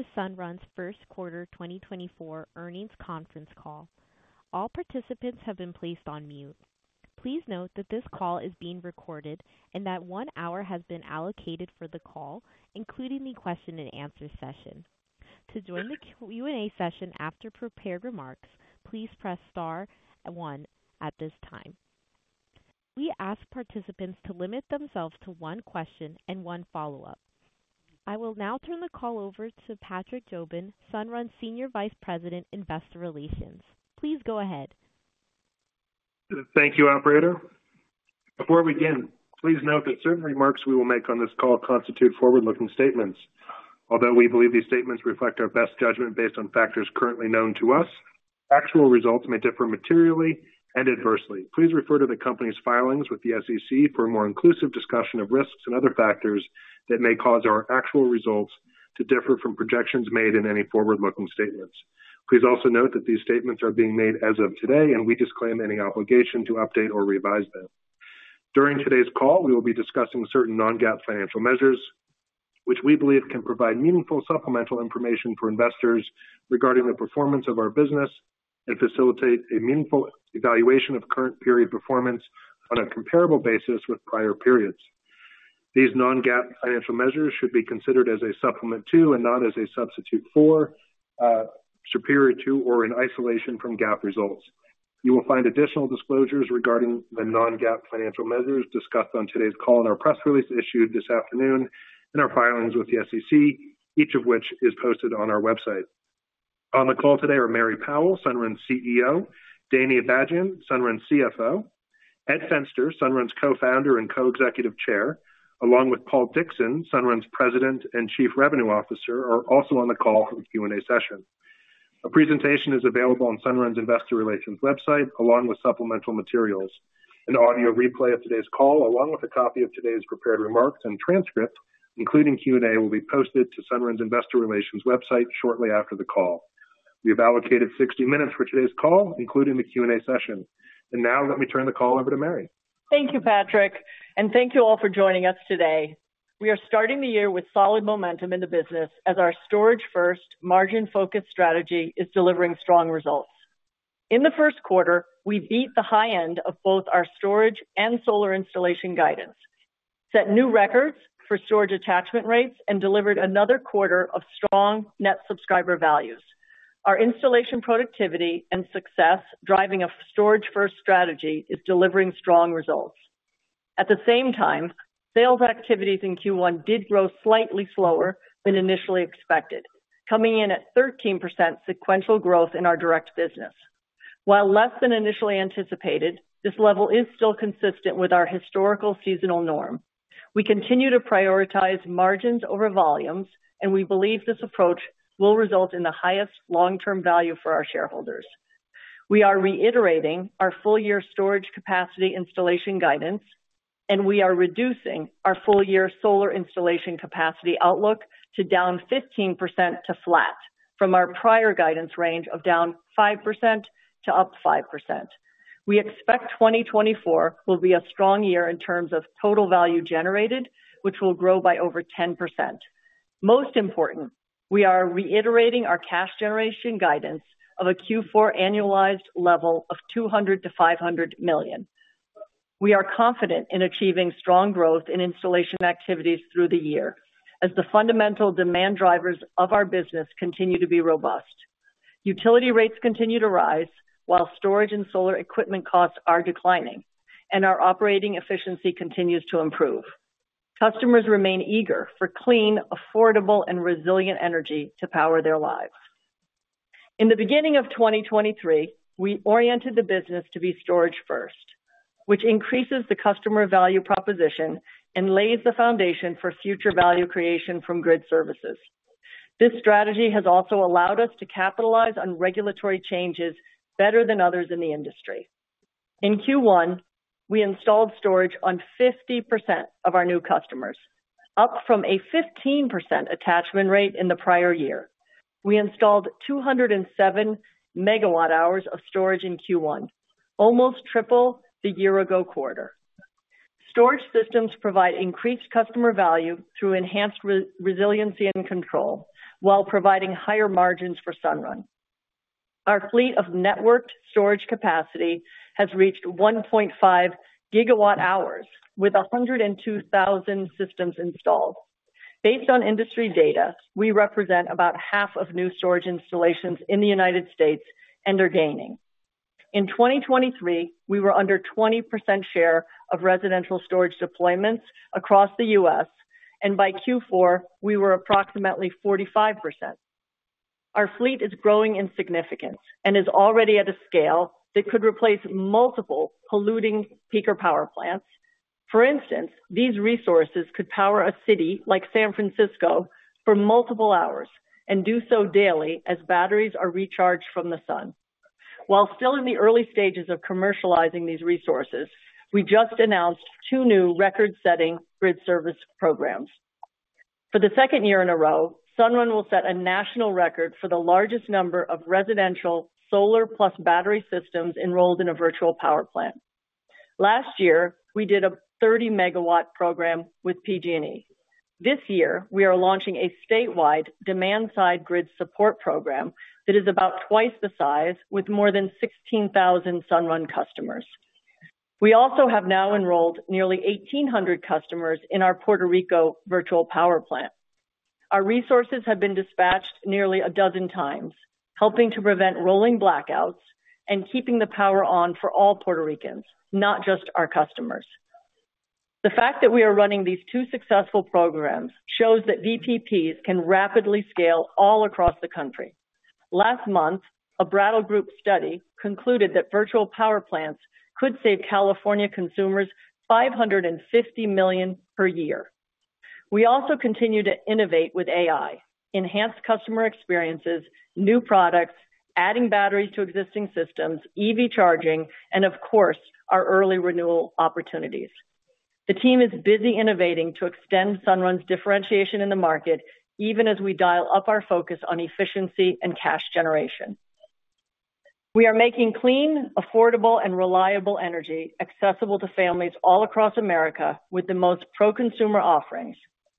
To Sunrun's Q1 2024 Earnings Conference Call. All participants have been placed on mute. Please note that this call is being recorded and that one hour has been allocated for the call, including the question-and-answer session. To join the Q&A session after prepared remarks, please press star one at this time. We ask participants to limit themselves to one question and one follow-up. I will now turn the call over to Patrick Jobin, Sunrun Senior Vice President, Investor Relations. Please go ahead. Thank you, operator. Before we begin, please note that certain remarks we will make on this call constitute forward-looking statements, although we believe these statements reflect our best judgment based on factors currently known to us. Actual results may differ materially and adversely. Please refer to the company's filings with the SEC for a more inclusive discussion of risks and other factors that may cause our actual results to differ from projections made in any forward-looking statements. Please also note that these statements are being made as of today, and we disclaim any obligation to update or revise them. During today's call, we will be discussing certain non-GAAP financial measures, which we believe can provide meaningful supplemental information for investors regarding the performance of our business and facilitate a meaningful evaluation of current period performance on a comparable basis with prior periods. These non-GAAP financial measures should be considered as a supplement to and not as a substitute for, superior to or in isolation from GAAP results. You will find additional disclosures regarding the non-GAAP financial measures discussed on today's call in our press release issued this afternoon and our filings with the SEC, each of which is posted on our website. On the call today are Mary Powell, Sunrun CEO; Danny Abajian, Sunrun CFO; Ed Fenster, Sunrun's co-founder and co-executive chair; along with Paul Dickson, Sunrun's president and chief revenue officer, are also on the call for the Q&A session. A presentation is available on Sunrun's Investor Relations website, along with supplemental materials. An audio replay of today's call, along with a copy of today's prepared remarks and transcript, including Q&A, will be posted to Sunrun's Investor Relations website shortly after the call. We have allocated 60 minutes for today's call, including the Q&A session. Now let me turn the call over to Mary. Thank you, Patrick, and thank you all for joining us today. We are starting the year with solid momentum in the business as our storage-first, margin-focused strategy is delivering strong results. In the first quarter, we beat the high end of both our storage and solar installation guidance, set new records for storage attachment rates, and delivered another quarter of strong net subscriber values. Our installation productivity and success driving a storage-first strategy is delivering strong results. At the same time, sales activities in Q1 did grow slightly slower than initially expected, coming in at 13% sequential growth in our direct business. While less than initially anticipated, this level is still consistent with our historical seasonal norm. We continue to prioritize margins over volumes, and we believe this approach will result in the highest long-term value for our shareholders. We are reiterating our full-year storage capacity installation guidance, and we are reducing our full-year solar installation capacity outlook to down 15% to flat from our prior guidance range of down 5% to up 5%. We expect 2024 will be a strong year in terms of total value generated, which will grow by over 10%. Most important, we are reiterating our cash generation guidance of a Q4 annualized level of $200 million to $500 million. We are confident in achieving strong growth in installation activities through the year as the fundamental demand drivers of our business continue to be robust. Utility rates continue to rise while storage and solar equipment costs are declining, and our operating efficiency continues to improve. Customers remain eager for clean, affordable, and resilient energy to power their lives. In the beginning of 2023, we oriented the business to be storage-first, which increases the customer value proposition and lays the foundation for future value creation from grid services. This strategy has also allowed us to capitalize on regulatory changes better than others in the industry. In Q1, we installed storage on 50% of our new customers, up from a 15% attachment rate in the prior year. We installed 207 MWh of storage in Q1, almost triple the year-ago quarter. Storage systems provide increased customer value through enhanced resiliency and control while providing higher margins for Sunrun. Our fleet of networked storage capacity has reached 1.5 GWh with 102,000 systems installed. Based on industry data, we represent about half of new storage installations in the United States and are gaining. In 2023, we were under 20% share of residential storage deployments across the U.S., and by Q4, we were approximately 45%. Our fleet is growing in significance and is already at a scale that could replace multiple polluting peaker power plants. For instance, these resources could power a city like San Francisco for multiple hours and do so daily as batteries are recharged from the sun. While still in the early stages of commercializing these resources, we just announced two new record-setting grid service programs. For the second year in a row, Sunrun will set a national record for the largest number of residential solar-plus-battery systems enrolled in a virtual power plant. Last year, we did a 30 MW program with PG&E. This year, we are launching a statewide demand-side grid support program that is about twice the size, with more than 16,000 Sunrun customers. We also have now enrolled nearly 1,800 customers in our Puerto Rico virtual power plant. Our resources have been dispatched nearly a dozen times, helping to prevent rolling blackouts and keeping the power on for all Puerto Ricans, not just our customers. The fact that we are running these two successful programs shows that VPPs can rapidly scale all across the country. Last month, a Brattle Group study concluded that virtual power plants could save California consumers $550 million per year. We also continue to innovate with AI: enhanced customer experiences, new products, adding batteries to existing systems, EV charging, and, of course, our early renewal opportunities. The team is busy innovating to extend Sunrun's differentiation in the market, even as we dial up our focus on efficiency and cash generation. We are making clean, affordable, and reliable energy accessible to families all across America with the most pro-consumer offerings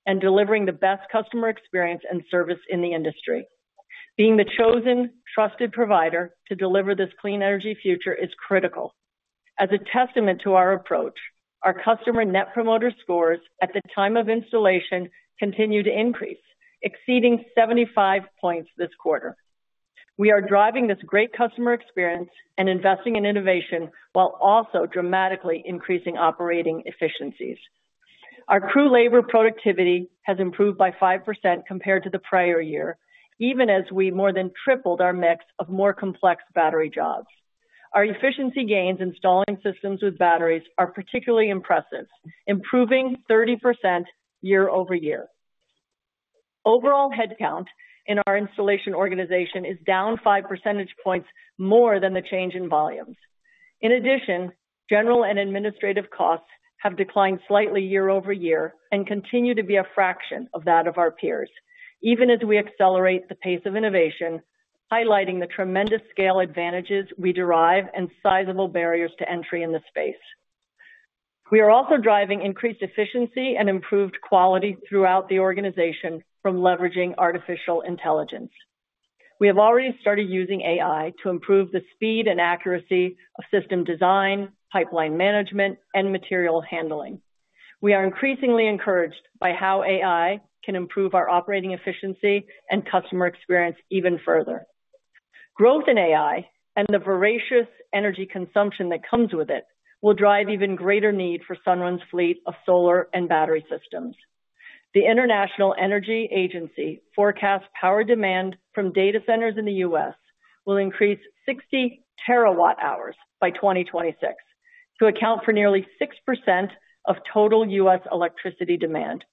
and delivering the best customer experience and service in the industry. Being the chosen, trusted provider to deliver this clean energy future is critical. As a testament to our approach, our customer net promoter scores at the time of installation continue to increase, exceeding 75 points this quarter. We are driving this great customer experience and investing in innovation while also dramatically increasing operating efficiencies. Our crew labor productivity has improved by 5% compared to the prior year, even as we more than tripled our mix of more complex battery jobs. Our efficiency gains installing systems with batteries are particularly impressive, improving 30% year-over-year. Overall headcount in our installation organization is down 5 percentage points more than the change in volumes. In addition, general and administrative costs have declined slightly year-over-year and continue to be a fraction of that of our peers, even as we accelerate the pace of innovation, highlighting the tremendous scale advantages we derive and sizable barriers to entry in the space. We are also driving increased efficiency and improved quality throughout the organization from leveraging artificial intelligence. We have already started using AI to improve the speed and accuracy of system design, pipeline management, and material handling. We are increasingly encouraged by how AI can improve our operating efficiency and customer experience even further. Growth in AI and the voracious energy consumption that comes with it will drive even greater need for Sunrun's fleet of solar and battery systems. The International Energy Agency forecasts power demand from data centers in the U.S. will increase 60 TWh by 2026 to account for nearly 6% of total U.S. electricity demand.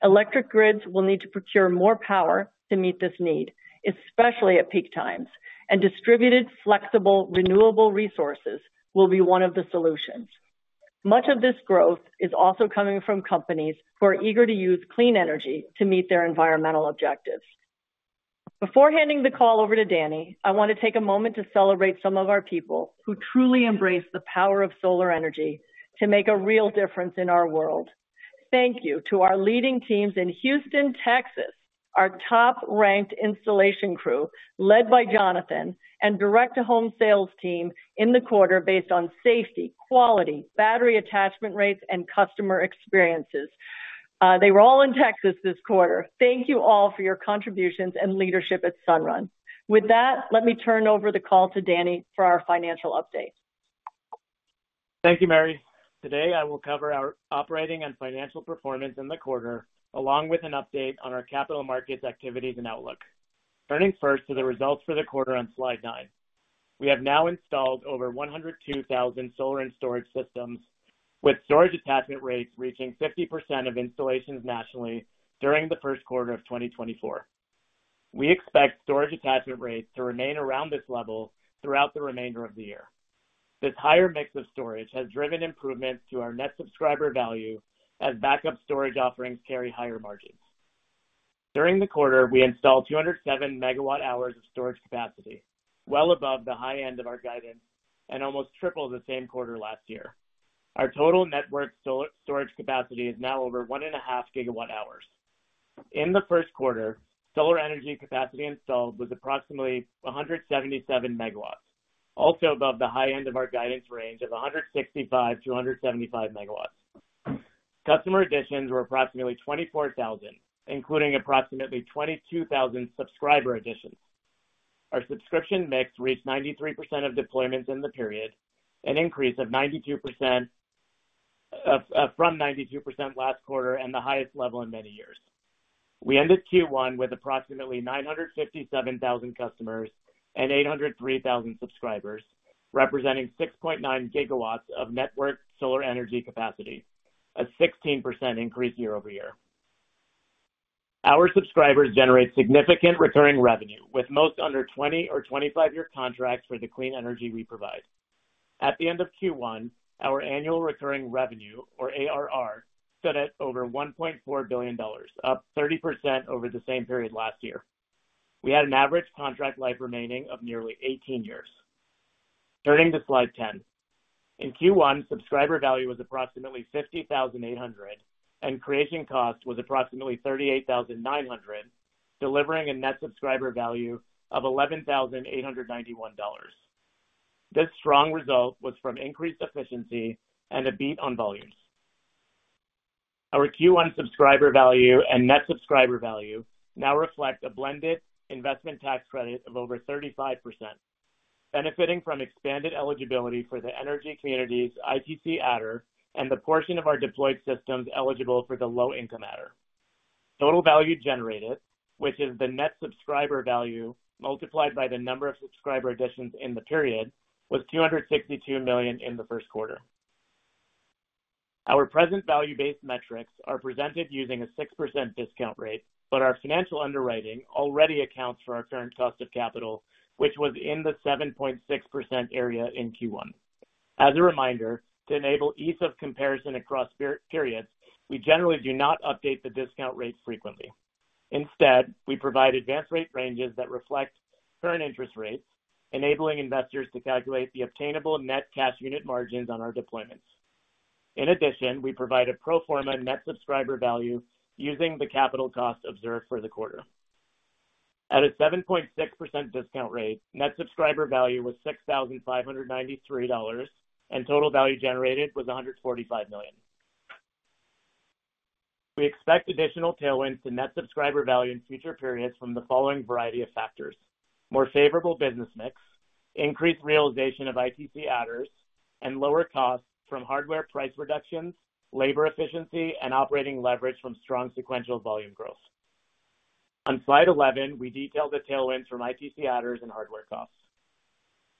Electric grids will need to procure more power to meet this need, especially at peak times, and distributed, flexible, renewable resources will be one of the solutions. Much of this growth is also coming from companies who are eager to use clean energy to meet their environmental objectives. Before handing the call over to Danny, I want to take a moment to celebrate some of our people who truly embrace the power of solar energy to make a real difference in our world. Thank you to our leading teams in Houston, Texas, our top-ranked installation crew led by Jonathan, and Direct-to-Home sales team in the quarter based on safety, quality, battery attachment rates, and customer experiences. They were all in Texas this quarter. Thank you all for your contributions and leadership at Sunrun. With that, let me turn over the call to Danny for our financial update. Thank you, Mary. Today I will cover our operating and financial performance in the quarter, along with an update on our capital markets activities and outlook. Turning first to the results for the quarter on slide nine. We have now installed over 102,000 solar and storage systems, with storage attachment rates reaching 50% of installations nationally during the Q1 of 2024. We expect storage attachment rates to remain around this level throughout the remainder of the year. This higher mix of storage has driven improvements to our Net Subscriber Value as backup storage offerings carry higher margins. During the quarter, we installed 207 MWh of storage capacity, well above the high end of our guidance and almost triple the same quarter last year. Our total network solar storage capacity is now over 1.5 GWh. In the Q1, solar energy capacity installed was approximately 177 MW, also above the high end of our guidance range of 165 to 175 MW. Customer additions were approximately 24,000, including approximately 22,000 subscriber additions. Our subscription mix reached 93% of deployments in the period, an increase of 92%, from 92% last quarter and the highest level in many years. We ended Q1 with approximately 957,000 customers and 803,000 subscribers, representing 6.9 GW of network solar energy capacity, a 16% increase year-over-year. Our subscribers generate significant recurring revenue, with most under 20 or 25-year contracts for the clean energy we provide. At the end of Q1, our annual recurring revenue, or ARR, stood at over $1.4 billion, up 30% over the same period last year. We had an average contract life remaining of nearly 18 years. Turning to slide 10. In Q1, subscriber value was approximately $50,800, and creation cost was approximately $38,900, delivering a net subscriber value of $11,891. This strong result was from increased efficiency and a beat on volumes. Our Q1 subscriber value and net subscriber value now reflect a blended investment tax credit of over 35%, benefiting from expanded eligibility for the energy community adder, and the portion of our deployed systems eligible for the low-income adder. Total value generated, which is the net subscriber value multiplied by the number of subscriber additions in the period, was $262 million in the Q1. Our present value-based metrics are presented using a 6% discount rate, but our financial underwriting already accounts for our current cost of capital, which was in the 7.6% area in Q1. As a reminder, to enable ease of comparison across periods, we generally do not update the discount rate frequently. Instead, we provide advance rate ranges that reflect current interest rates, enabling investors to calculate the obtainable net cash unit margins on our deployments. In addition, we provide a pro forma net subscriber value using the capital cost observed for the quarter. At a 7.6% discount rate, net subscriber value was $6,593, and total value generated was $145 million. We expect additional tailwinds to net subscriber value in future periods from the following variety of factors: more favorable business mix, increased realization of ITC adders, and lower costs from hardware price reductions, labor efficiency, and operating leverage from strong sequential volume growth. On slide 11, we detail the tailwinds from ITC adders and hardware costs.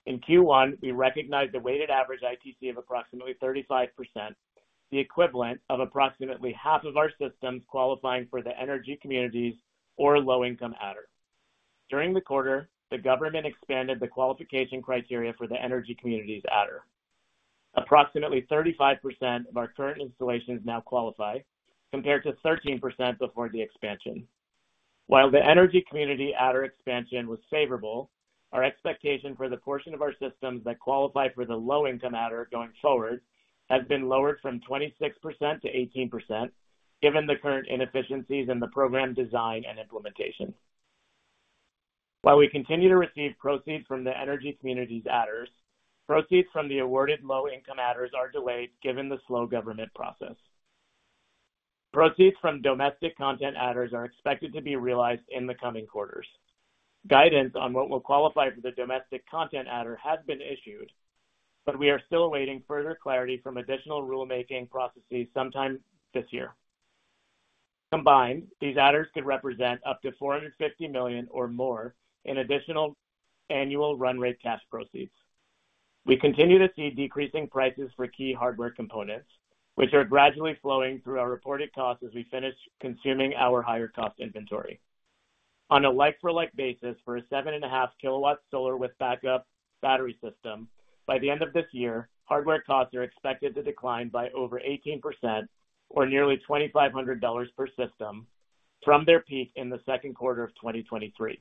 In Q1, we recognized a weighted average ITC of approximately 35%, the equivalent of approximately half of our systems qualifying for the energy community adder or low-income adder. During the quarter, the government expanded the qualification criteria for the Energy Community Adder. Approximately 35% of our current installations now qualify, compared to 13% before the expansion. While the Energy Community Adder expansion was favorable, our expectation for the portion of our systems that qualify for the Low-Income Adder going forward has been lowered from 26% to 18%, given the current inefficiencies in the program design and implementation. While we continue to receive proceeds from the Energy Community Adders, proceeds from the awarded Low-Income Adders are delayed given the slow government process. Proceeds from Domestic Content Adders are expected to be realized in the coming quarters. Guidance on what will qualify for the Domestic Content Adder has been issued, but we are still awaiting further clarity from additional rulemaking processes sometime this year. Combined, these adders could represent up to $450 million or more in additional annual run-rate cash proceeds. We continue to see decreasing prices for key hardware components, which are gradually flowing through our reported costs as we finish consuming our higher-cost inventory. On a like-for-like basis, for a 7.5 KW solar with backup battery system, by the end of this year, hardware costs are expected to decline by over 18% or nearly $2,500 per system from their peak in the Q2 of 2023.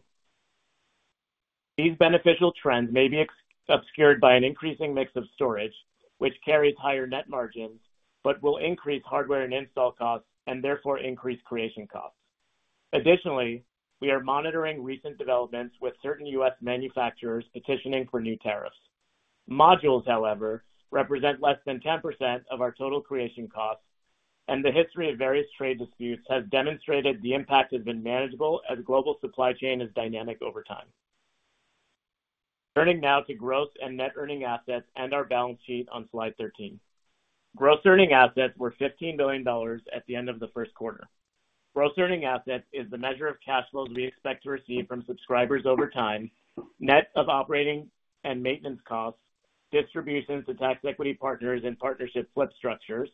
These beneficial trends may be obscured by an increasing mix of storage, which carries higher net margins but will increase hardware and install costs and therefore increase creation costs. Additionally, we are monitoring recent developments with certain U.S. manufacturers petitioning for new tariffs. Modules, however, represent less than 10% of our total creation costs, and the history of various trade disputes has demonstrated the impact has been manageable as global supply chain is dynamic over time. Turning now to gross and net earning assets and our balance sheet on slide 13. Gross earning assets were $15 million at the end of the Q1. Gross earning assets is the measure of cash flows we expect to receive from subscribers over time, net of operating and maintenance costs, distributions to tax equity partners and partnership flip structures,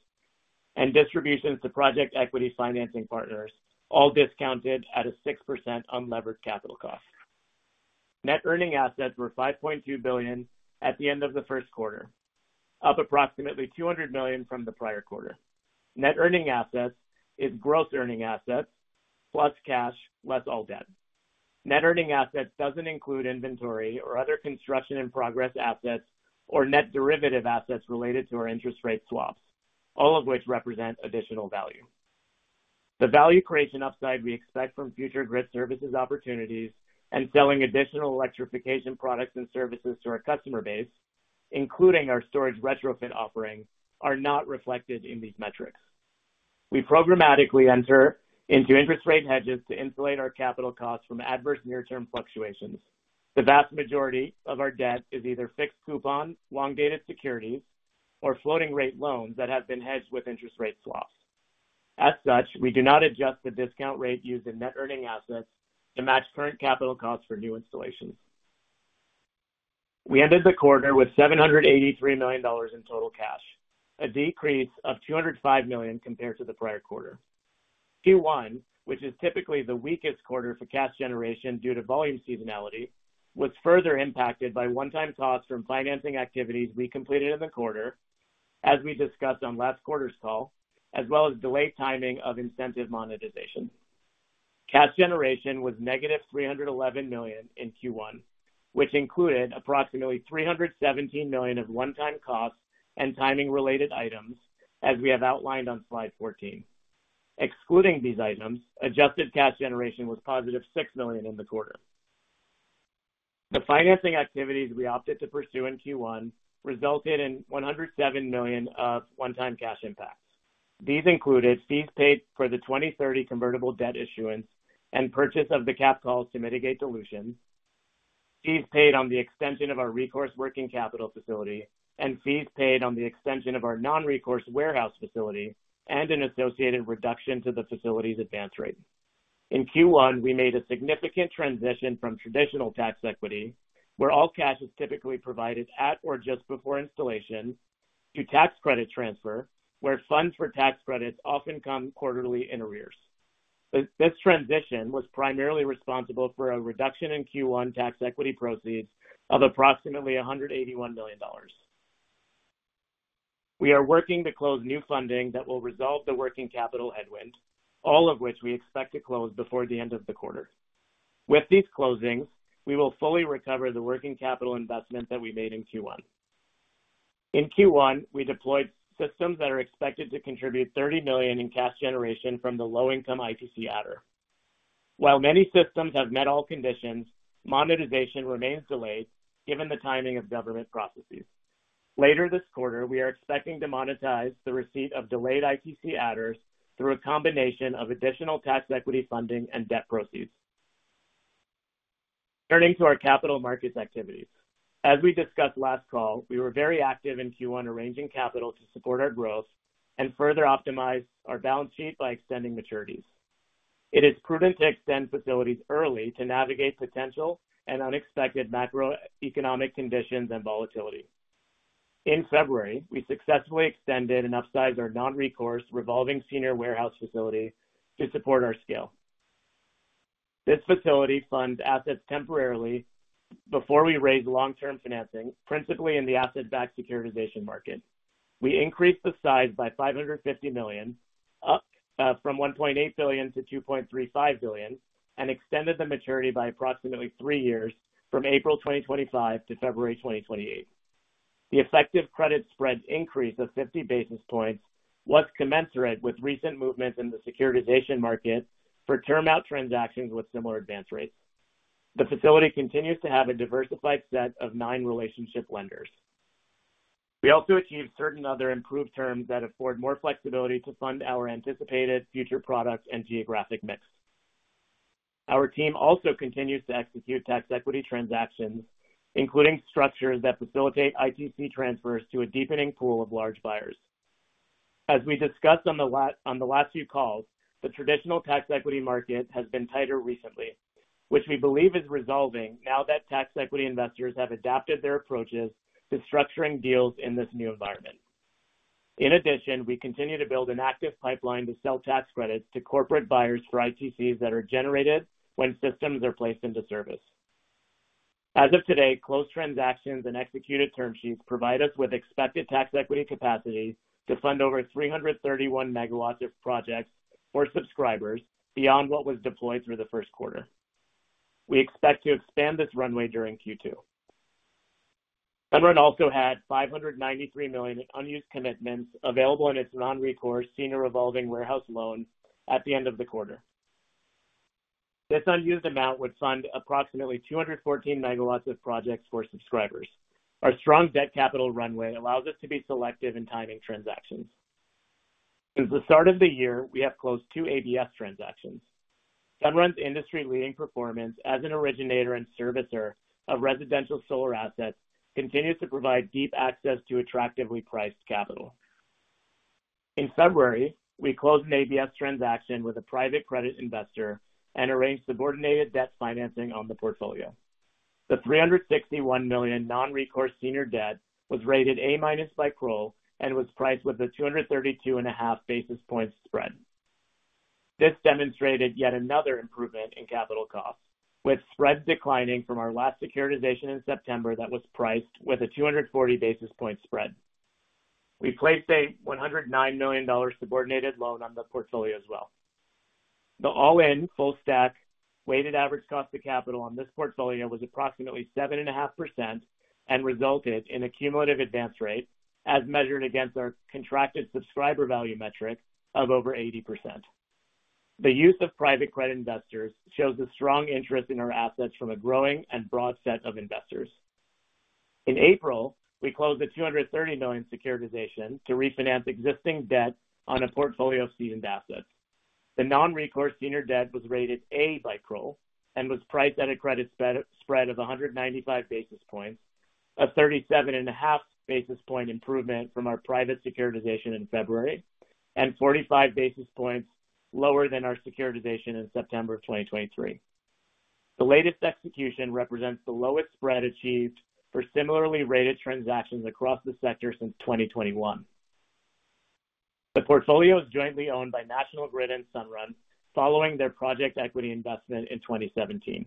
and distributions to project equity financing partners, all discounted at a 6% unlevered capital cost. Net earning assets were $5.2 billion at the end of the Q1, up approximately $200 million from the prior quarter. Net earning assets is gross earning assets plus cash, less all debt. Net earning assets doesn't include inventory or other construction-in-progress assets or net derivative assets related to our interest rate swaps, all of which represent additional value. The value creation upside we expect from future grid services opportunities and selling additional electrification products and services to our customer base, including our storage retrofit offering, are not reflected in these metrics. We programmatically enter into interest rate hedges to insulate our capital costs from adverse near-term fluctuations. The vast majority of our debt is either fixed coupon, long-dated securities, or floating-rate loans that have been hedged with interest rate swaps. As such, we do not adjust the discount rate used in net earning assets to match current capital costs for new installations. We ended the quarter with $783 million in total cash, a decrease of $205 million compared to the prior quarter. Q1, which is typically the weakest quarter for cash generation due to volume seasonality, was further impacted by one-time costs from financing activities we completed in the quarter, as we discussed on last quarter's call, as well as delayed timing of incentive monetization. Cash generation was negative $311 million in Q1, which included approximately $317 million of one-time costs and timing-related items, as we have outlined on slide 14. Excluding these items, adjusted cash generation was positive $6 million in the quarter. The financing activities we opted to pursue in Q1 resulted in $107 million of one-time cash impacts. These included fees paid for the 2030 convertible debt issuance and purchase of the cap calls to mitigate dilution, fees paid on the extension of our recourse working capital facility, and fees paid on the extension of our non-recourse warehouse facility and an associated reduction to the facility's advance rate. In Q1, we made a significant transition from traditional tax equity, where all cash is typically provided at or just before installation, to tax credit transfer, where funds for tax credits often come quarterly in arrears. This transition was primarily responsible for a reduction in Q1 tax equity proceeds of approximately $181 million. We are working to close new funding that will resolve the working capital headwind, all of which we expect to close before the end of the quarter. With these closings, we will fully recover the working capital investment that we made in Q1. In Q1, we deployed systems that are expected to contribute $30 million in cash generation from the low-income ITC adder. While many systems have met all conditions, monetization remains delayed given the timing of government processes. Later this quarter, we are expecting to monetize the receipt of delayed ITC adders through a combination of additional tax equity funding and debt proceeds. Turning to our capital markets activities. As we discussed last call, we were very active in Q1 arranging capital to support our growth and further optimize our balance sheet by extending maturities. It is prudent to extend facilities early to navigate potential and unexpected macroeconomic conditions and volatility. In February, we successfully extended and upsized our non-recourse revolving senior warehouse facility to support our scale. This facility funds assets temporarily before we raise long-term financing, principally in the asset-backed securitization market. We increased the size by $550 million, up from $1.8 billion to $2.35 billion, and extended the maturity by approximately three years from April 2025 to February 2028. The effective credit spread increase of 50 basis points was commensurate with recent movements in the securitization market for term-out transactions with similar advance rates. The facility continues to have a diversified set of nine relationship lenders. We also achieved certain other improved terms that afford more flexibility to fund our anticipated future product and geographic mix. Our team also continues to execute tax equity transactions, including structures that facilitate ITC transfers to a deepening pool of large buyers. As we discussed on the last few calls, the traditional tax equity market has been tighter recently, which we believe is resolving now that tax equity investors have adapted their approaches to structuring deals in this new environment. In addition, we continue to build an active pipeline to sell tax credits to corporate buyers for ITCs that are generated when systems are placed into service. As of today, closed transactions and executed term sheets provide us with expected tax equity capacity to fund over 331 MW of projects for subscribers beyond what was deployed through the Q1. We expect to expand this runway during Q2. Sunrun also had $593 million in unused commitments available in its non-recourse senior revolving warehouse loan at the end of the quarter. This unused amount would fund approximately 214 MW of projects for subscribers. Our strong debt capital runway allows us to be selective in timing transactions. Since the start of the year, we have closed two ABS transactions. Sunrun's industry-leading performance as an originator and servicer of residential solar assets continues to provide deep access to attractively priced capital. In February, we closed an ABS transaction with a private credit investor and arranged subordinated debt financing on the portfolio. The $361 million non-recourse senior debt was rated A-minus by KBRA and was priced with a 232.5 basis points spread. This demonstrated yet another improvement in capital costs, with spreads declining from our last securitization in September that was priced with a 240 basis points spread. We placed a $109 million subordinated loan on the portfolio as well. The all-in, full-stack, weighted average cost of capital on this portfolio was approximately 7.5% and resulted in a cumulative advance rate as measured against our contracted subscriber value metric of over 80%. The use of private credit investors shows a strong interest in our assets from a growing and broad set of investors. In April, we closed a $230 million securitization to refinance existing debt on a portfolio of seasoned assets. The non-recourse senior debt was rated A by KBRA and was priced at a credit spread of 195 basis points, a 37.5 basis point improvement from our private securitization in February, and 45 basis points lower than our securitization in September of 2023. The latest execution represents the lowest spread achieved for similarly rated transactions across the sector since 2021. The portfolio is jointly owned by National Grid and Sunrun following their project equity investment in 2017,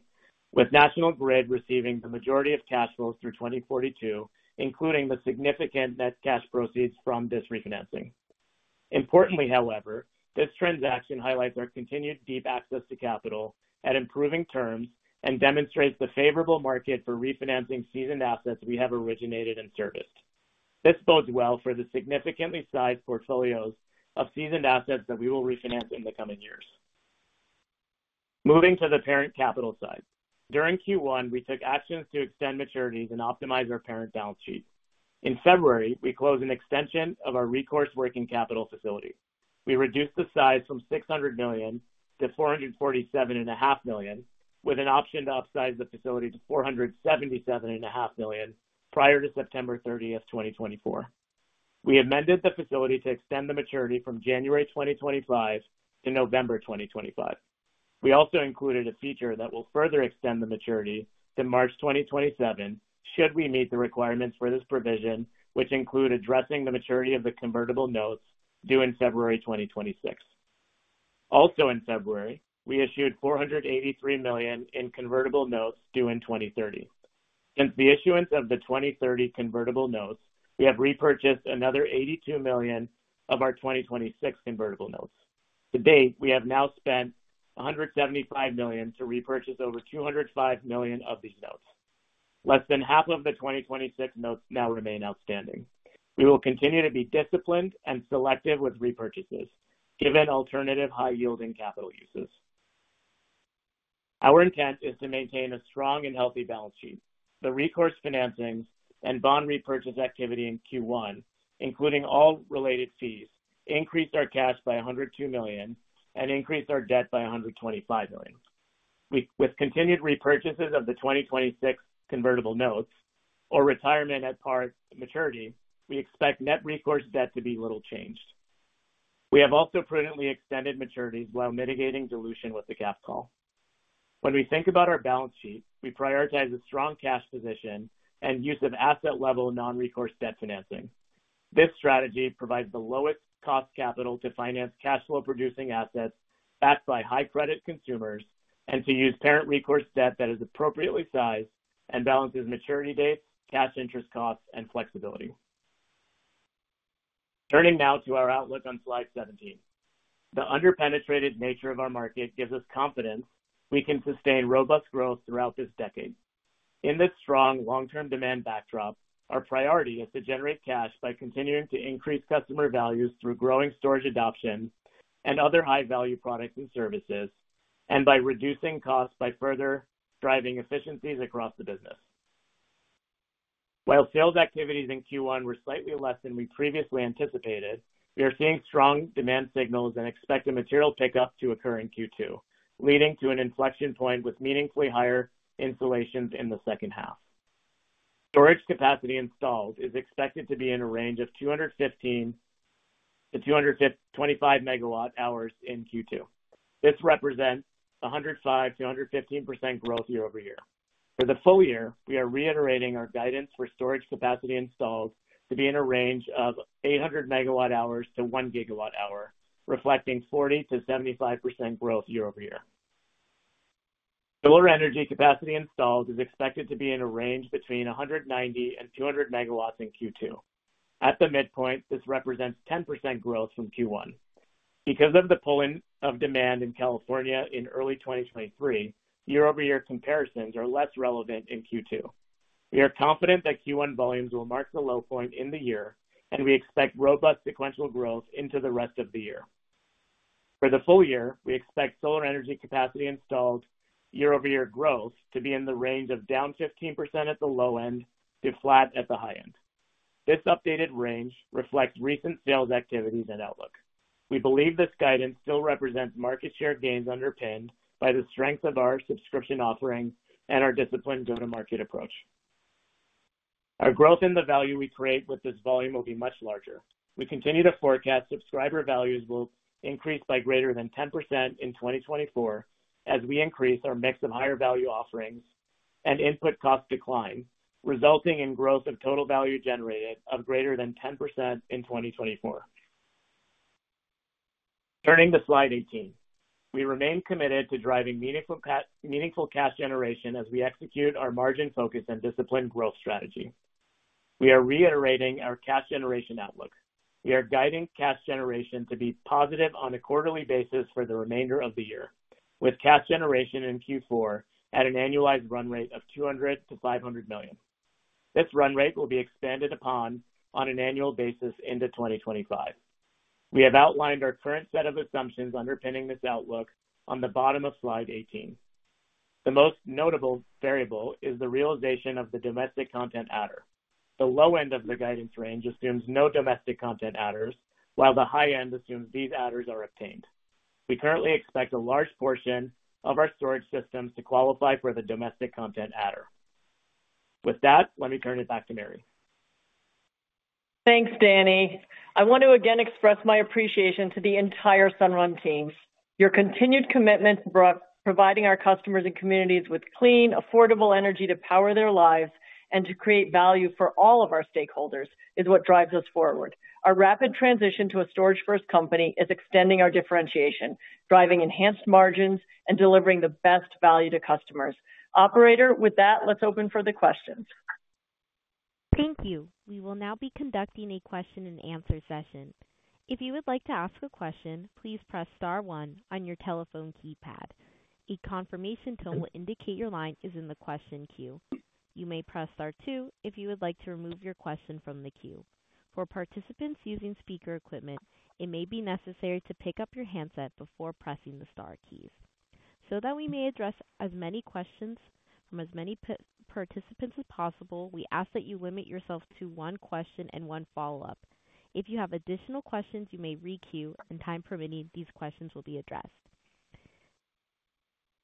with National Grid receiving the majority of cash flows through 2042, including the significant net cash proceeds from this refinancing. Importantly, however, this transaction highlights our continued deep access to capital at improving terms and demonstrates the favorable market for refinancing seasoned assets we have originated and serviced. This bodes well for the significantly sized portfolios of seasoned assets that we will refinance in the coming years. Moving to the parent capital side. During Q1, we took actions to extend maturities and optimize our parent balance sheet. In February, we closed an extension of our recourse working capital facility. We reduced the size from $600 million to $447.5 million, with an option to upsize the facility to $477.5 million prior to September 30th, 2024. We amended the facility to extend the maturity from January 2025 to November 2025. We also included a feature that will further extend the maturity to March 2027 should we meet the requirements for this provision, which include addressing the maturity of the convertible notes due in February 2026. Also in February, we issued $483 million in convertible notes due in 2030. Since the issuance of the 2030 convertible notes, we have repurchased another $82 million of our 2026 convertible notes. To date, we have now spent $175 million to repurchase over $205 million of these notes. Less than half of the 2026 notes now remain outstanding. We will continue to be disciplined and selective with repurchases, given alternative high-yielding capital uses. Our intent is to maintain a strong and healthy balance sheet. The recourse financings and bond repurchase activity in Q1, including all related fees, increased our cash by $102 million and increased our debt by $125 million. With continued repurchases of the 2026 convertible notes or retirement at par maturity, we expect net recourse debt to be little changed. We have also prudently extended maturities while mitigating dilution with the cap call. When we think about our balance sheet, we prioritize a strong cash position and use of asset-level non-recourse debt financing. This strategy provides the lowest cost capital to finance cash flow-producing assets backed by high-credit consumers and to use parent recourse debt that is appropriately sized and balances maturity dates, cash interest costs, and flexibility. Turning now to our outlook on slide 17. The under-penetrated nature of our market gives us confidence we can sustain robust growth throughout this decade. In this strong long-term demand backdrop, our priority is to generate cash by continuing to increase customer values through growing storage adoption and other high-value products and services, and by reducing costs by further driving efficiencies across the business. While sales activities in Q1 were slightly less than we previously anticipated, we are seeing strong demand signals and expect a material pickup to occur in Q2, leading to an inflection point with meaningfully higher installations in the second half. Storage capacity installed is expected to be in a range of 215 to 225 MWh in Q2. This represents 105%-115% growth year-over-year. For the full year, we are reiterating our guidance for storage capacity installed to be in a range of 800 MWh to 1 GWh, reflecting 40% to 75% growth year-over-year. Solar energy capacity installed is expected to be in a range between 190 and 200 MW in Q2. At the midpoint, this represents 10% growth from Q1. Because of the pulling of demand in California in early 2023, year-over-year comparisons are less relevant in Q2. We are confident that Q1 volumes will mark the low point in the year, and we expect robust sequential growth into the rest of the year. For the full year, we expect solar energy capacity installed year-over-year growth to be in the range of down 15% at the low end to flat at the high end. This updated range reflects recent sales activities and outlook. We believe this guidance still represents market share gains underpinned by the strengths of our subscription offering and our disciplined go-to-market approach. Our growth in the value we create with this volume will be much larger. We continue to forecast subscriber values will increase by greater than 10% in 2024 as we increase our mix of higher-value offerings and input cost decline, resulting in growth of total value generated of greater than 10% in 2024. Turning to slide 18. We remain committed to driving meaningful meaningful cash generation as we execute our margin focus and disciplined growth strategy. We are reiterating our cash generation outlook. We are guiding cash generation to be positive on a quarterly basis for the remainder of the year, with cash generation in Q4 at an annualized run rate of $200 million to $500 million. This run rate will be expanded upon on an annual basis into 2025. We have outlined our current set of assumptions underpinning this outlook on the bottom of Slide 18. The most notable variable is the realization of the Domestic Content Adder. The low end of the guidance range assumes no Domestic Content Adders, while the high end assumes these adders are obtained. We currently expect a large portion of our storage systems to qualify for the Domestic Content Adder. With that, let me turn it back to Mary. Thanks, Danny. I want to again express my appreciation to the entire Sunrun team. Your continued commitment to broadly providing our customers and communities with clean, affordable energy to power their lives and to create value for all of our stakeholders is what drives us forward. Our rapid transition to a storage-first company is extending our differentiation, driving enhanced margins, and delivering the best value to customers. Operator, with that, let's open for the questions. Thank you. We will now be conducting a question-and-answer session. If you would like to ask a question, please press star one on your telephone keypad. A confirmation tone will indicate your line is in the question queue. You may press star two if you would like to remove your question from the queue. For participants using speaker equipment, it may be necessary to pick up your handset before pressing the star keys. So that we may address as many questions from as many participants as possible, we ask that you limit yourself to one question and one follow-up. If you have additional questions, you may re-queue, and time permitting, these questions will be addressed.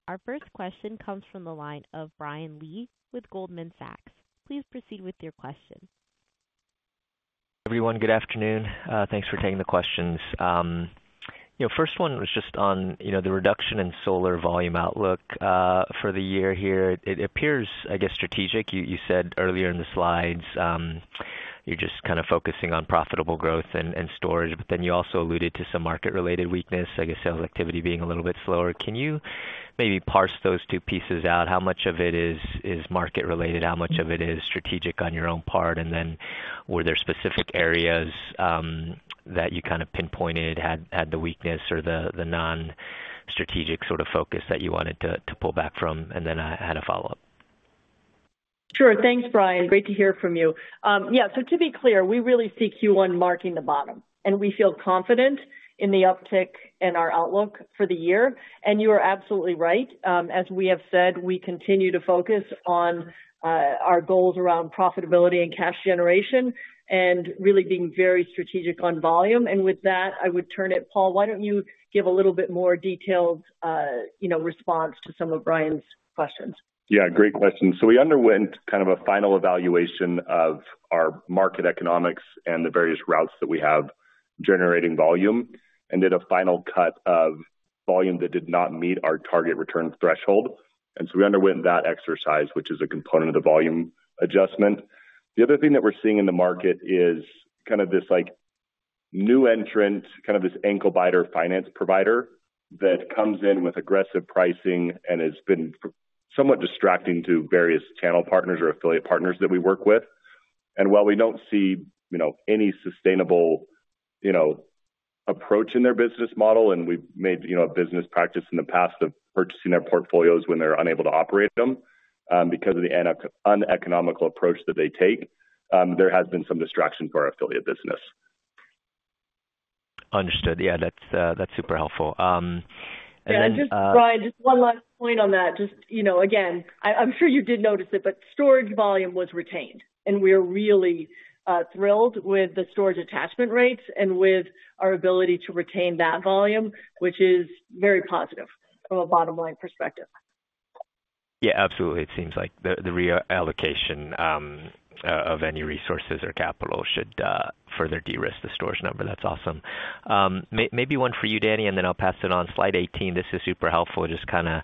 Our first question comes from the line of Brian Lee with Goldman Sachs. Please proceed with your question. Everyone, good afternoon. Thanks for taking the questions. You know, first one was just on, you know, the reduction in solar volume outlook, for the year here. It, it appears, I guess, strategic. You, you said earlier in the slides, you're just kind of focusing on profitable growth and, and storage, but then you also alluded to some market-related weakness, I guess, sales activity being a little bit slower. Can you maybe parse those two pieces out? How much of it is, is market-related? How much of it is strategic on your own part? And then were there specific areas that you kind of pinpointed had the weakness or the non-strategic sort of focus that you wanted to pull back from? And then I had a follow-up. Sure. Thanks, Brian. Great to hear from you. Yeah, so to be clear, we really see Q1 marking the bottom, and we feel confident in the uptick in our outlook for the year. And you are absolutely right. As we have said, we continue to focus on our goals around profitability and cash generation and really being very strategic on volume. And with that, I would turn it Paul, why don't you give a little bit more detailed, you know, response to some of Brian's questions? Yeah, great question. So we underwent kind of a final evaluation of our market economics and the various routes that we have generating volume and did a final cut of volume that did not meet our target return threshold. And so we underwent that exercise, which is a component of the volume adjustment. The other thing that we're seeing in the market is kind of this, like, new entrant, kind of this ankle-biter finance provider that comes in with aggressive pricing and has been somewhat distracting to various channel partners or affiliate partners that we work with. And while we don't see, you know, any sustainable, you know, approach in their business model, and we've made, you know, a business practice in the past of purchasing their portfolios when they're unable to operate them, because of the uneconomical approach that they take, there has been some distraction for our affiliate business. Understood. Yeah, that's, that's super helpful. And then just Brian, just one last point on that. Just, you know, again, I'm sure you did notice it, but storage volume was retained. And we are really, thrilled with the storage attachment rates and with our ability to retain that volume, which is very positive from a bottom-line perspective. Yeah, absolutely. It seems like the reallocation of any resources or capital should further de-risk the storage number. That's awesome. Maybe one for you, Danny, and then I'll pass it on. Slide 18. This is super helpful, just kind of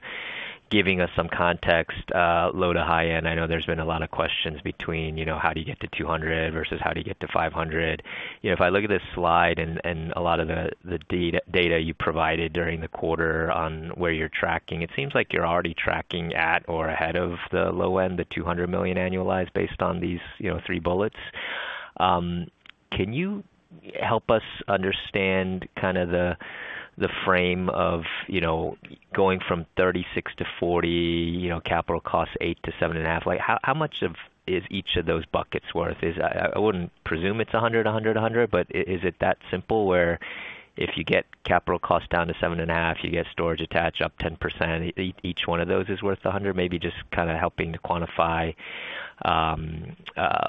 giving us some context, low to high end. I know there's been a lot of questions between, you know, how do you get to 200 versus how do you get to 500? You know, if I look at this slide and a lot of the data you provided during the quarter on where you're tracking, it seems like you're already tracking at or ahead of the low end, the $200 million annualized based on these, you know, three bullets. Can you help us understand kind of the frame of, you know, going from 36 to 40, you know, capital costs 8 to 7.5? Like, how much is each of those buckets worth? I wouldn't presume it's 100, 100, 100, but is it that simple where if you get capital costs down to 7.5, you get storage attached up 10%? Each one of those is worth 100? Maybe just kind of helping to quantify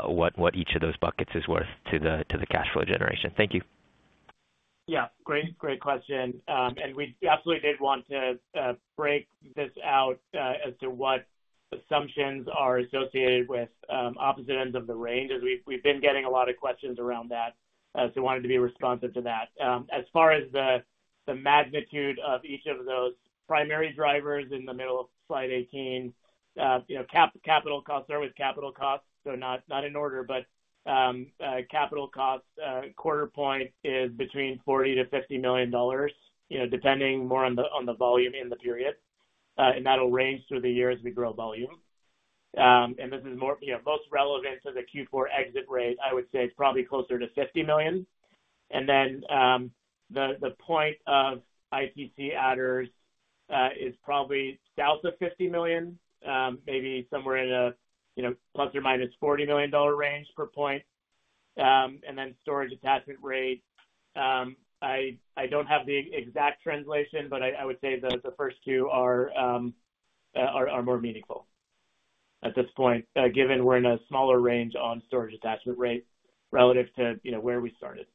what each of those buckets is worth to the cash flow generation. Thank you. Yeah, great, great question. We absolutely did want to break this out as to what assumptions are associated with opposite ends of the range, as we've been getting a lot of questions around that, so wanted to be responsive to that. As far as the magnitude of each of those primary drivers in the middle of slide 18, you know, capital costs, start with capital costs, so not in order, but capital costs, quarter point is between $40 million to $50 million, you know, depending more on the volume in the period. That'll range through the year as we grow volume. and this is more, you know, most relevant to the Q4 exit rate, I would say it's probably closer to $50 million. And then, the, the point of ITC adders, is probably south of $50 million, maybe somewhere in a, you know, ±$40 million range per point. and then storage attachment rate, I, I don't have the exact translation, but I, I would say the, the first two are, are, are more meaningful at this point, given we're in a smaller range on storage attachment rate relative to, you know, where we started.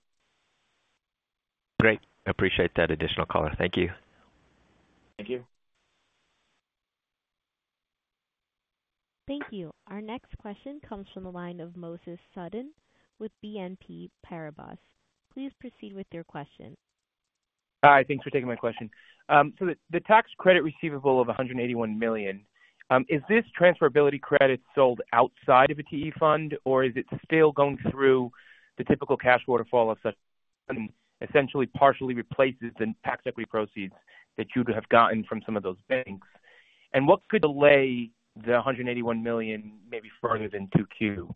Great. Appreciate that additional caller. Thank you. Thank you. Thank you. Our next question comes from the line of Moses Sutton with BNP Paribas. Please proceed with your question. Hi. Thanks for taking my question. So the tax credit receivable of $181 million, is this transferability credit sold outside of a TE fund, or is it still going through the typical cash waterfall of such funding, essentially partially replaces the tax equity proceeds that you would have gotten from some of those banks? And what could delay the $181 million maybe further than 2Q?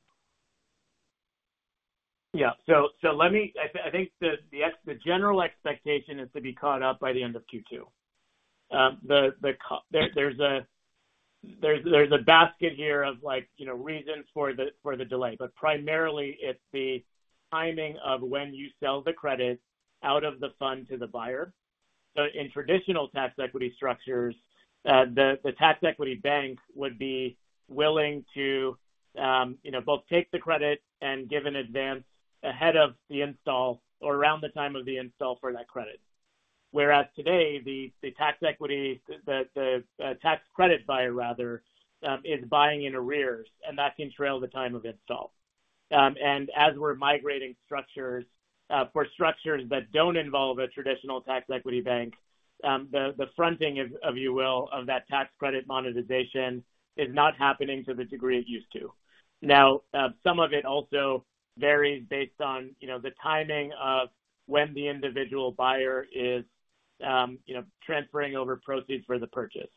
Yeah. So let me. I think the general expectation is to be caught up by the end of Q2. The catch there, there's a basket here of, like, you know, reasons for the delay, but primarily it's the timing of when you sell the credit out of the fund to the buyer. So in traditional tax equity structures, the tax equity bank would be willing to, you know, both take the credit and give an advance ahead of the install or around the time of the install for that credit. Whereas today, the tax credit buyer, rather, is buying in arrears, and that can trail the time of install. And as we're migrating structures, for structures that don't involve a traditional tax equity bank, the fronting of that tax credit monetization is not happening to the degree it used to. Now, some of it also varies based on, you know, the timing of when the individual buyer is, you know, transferring over proceeds for the purchase.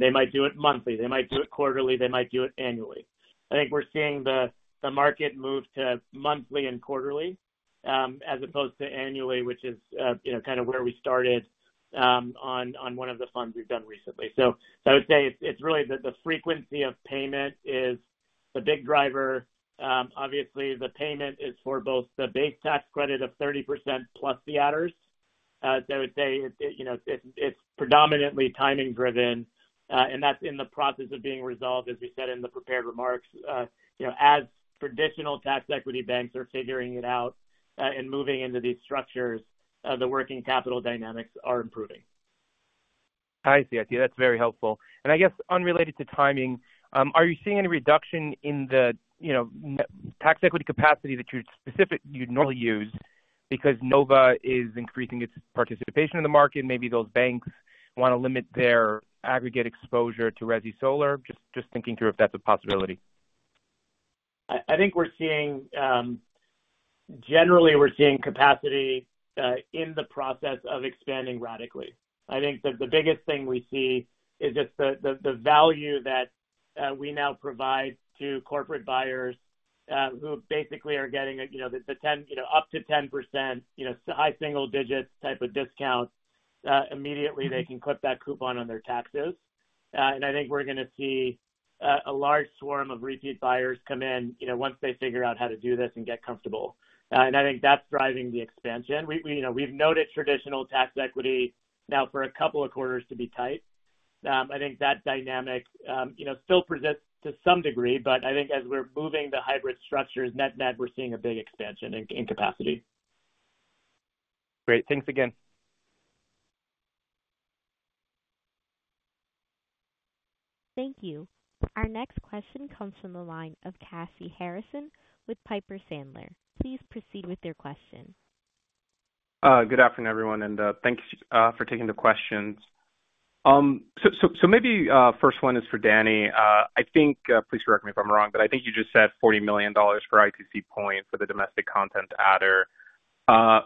They might do it monthly. They might do it quarterly. They might do it annually. I think we're seeing the market move to monthly and quarterly, as opposed to annually, which is, you know, kind of where we started, on one of the funds we've done recently. So I would say it's really the frequency of payment is the big driver. Obviously, the payment is for both the base tax credit of 30% plus the adders. So I would say it you know, it's predominantly timing-driven, and that's in the process of being resolved, as we said in the prepared remarks. You know, as traditional tax equity banks are figuring it out, and moving into these structures, the working capital dynamics are improving. I see. That's very helpful. And I guess unrelated to timing, are you seeing any reduction in the, you know, in tax equity capacity that you'd specific you'd normally use because Sunnova is increasing its participation in the market? Maybe those banks want to limit their aggregate exposure to resi solar, just thinking through if that's a possibility. I think we're seeing, generally, we're seeing capacity in the process of expanding radically. I think that the biggest thing we see is just the value that we now provide to corporate buyers, who basically are getting a, you know, the 10, you know, up to 10%, you know, such high single-digit type of discount; immediately they can clip that coupon on their taxes. I think we're going to see a large swarm of repeat buyers come in, you know, once they figure out how to do this and get comfortable. I think that's driving the expansion. We, you know, we've noted traditional tax equity now for a couple of quarters to be tight. I think that dynamic, you know, still persists to some degree, but I think as we're moving the hybrid structures, net-net, we're seeing a big expansion in capacity. Great. Thanks again. Thank you. Our next question comes from the line of Kashy Harrison with Piper Sandler. Please proceed with your question. Good afternoon, everyone, and thanks for taking the questions. So maybe first one is for Danny. I think, please correct me if I'm wrong, but I think you just said $40 million for ITC points for the domestic content adder. So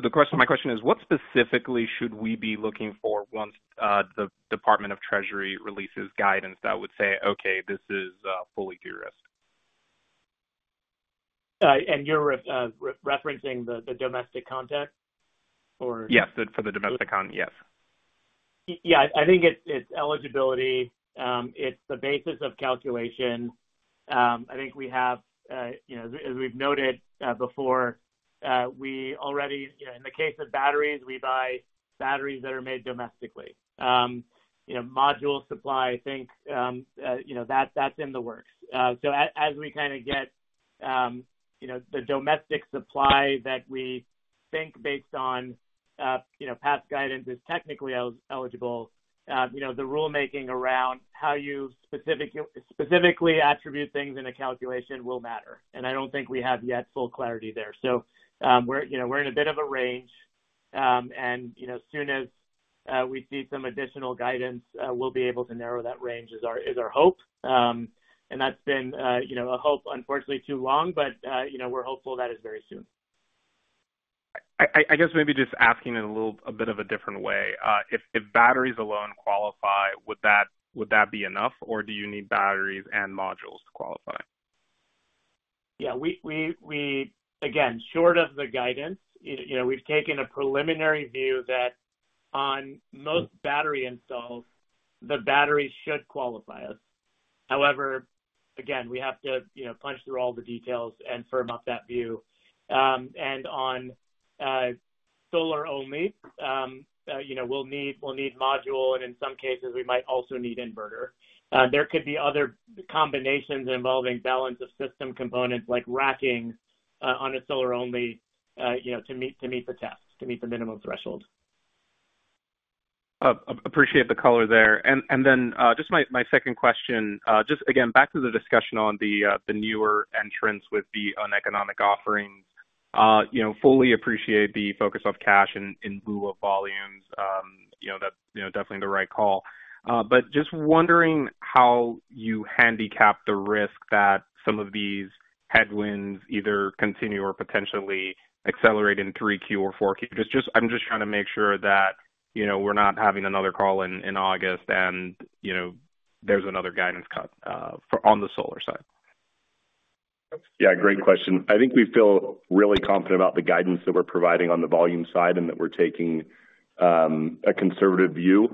the question is, what specifically should we be looking for once the Department of the Treasury releases guidance that would say, "Okay, this is fully de-risked"? And you're referencing the domestic content, or? Yes. For the domestic content. Yes. Yeah. I think it's eligibility. It's the basis of calculation. I think we have, you know, as we've noted before, we already, you know, in the case of batteries, we buy batteries that are made domestically. You know, module supply, I think, you know, that's in the works. So as we kind of get, you know, the domestic supply that we think based on, you know, past guidance is technically eligible, you know, the rulemaking around how you specifically attribute things in a calculation will matter. And I don't think we have yet full clarity there. So, we're, you know, we're in a bit of a range, and, you know, as soon as we see some additional guidance, we'll be able to narrow that range. That's our hope. And that's been, you know, a hope, unfortunately, too long, but, you know, we're hopeful that is very soon. I guess maybe just asking in a little bit of a different way. If batteries alone qualify, would that be enough, or do you need batteries and modules to qualify? Yeah. We again, short of the guidance, you know, we've taken a preliminary view that on most battery installs, the battery should qualify us. However, again, we have to, you know, punch through all the details and firm up that view. And on solar only, you know, we'll need we'll need module, and in some cases, we might also need inverter. There could be other combinations involving balance of system components, like racking, on a solar only, you know, to meet to meet the test, to meet the minimum threshold. Appreciate the caller there. And, and then, just my, my second question, just again, back to the discussion on the, the newer entrants with the uneconomic offerings, you know, fully appreciate the focus on cash in, in lieu of volumes. You know, that's, you know, definitely the right call. But just wondering how you handicap the risk that some of these headwinds either continue or potentially accelerate in 3Q or 4Q. I'm just trying to make sure that, you know, we're not having another call in August and, you know, there's another guidance cut for on the solar side. Yeah. Great question. I think we feel really confident about the guidance that we're providing on the volume side and that we're taking a conservative view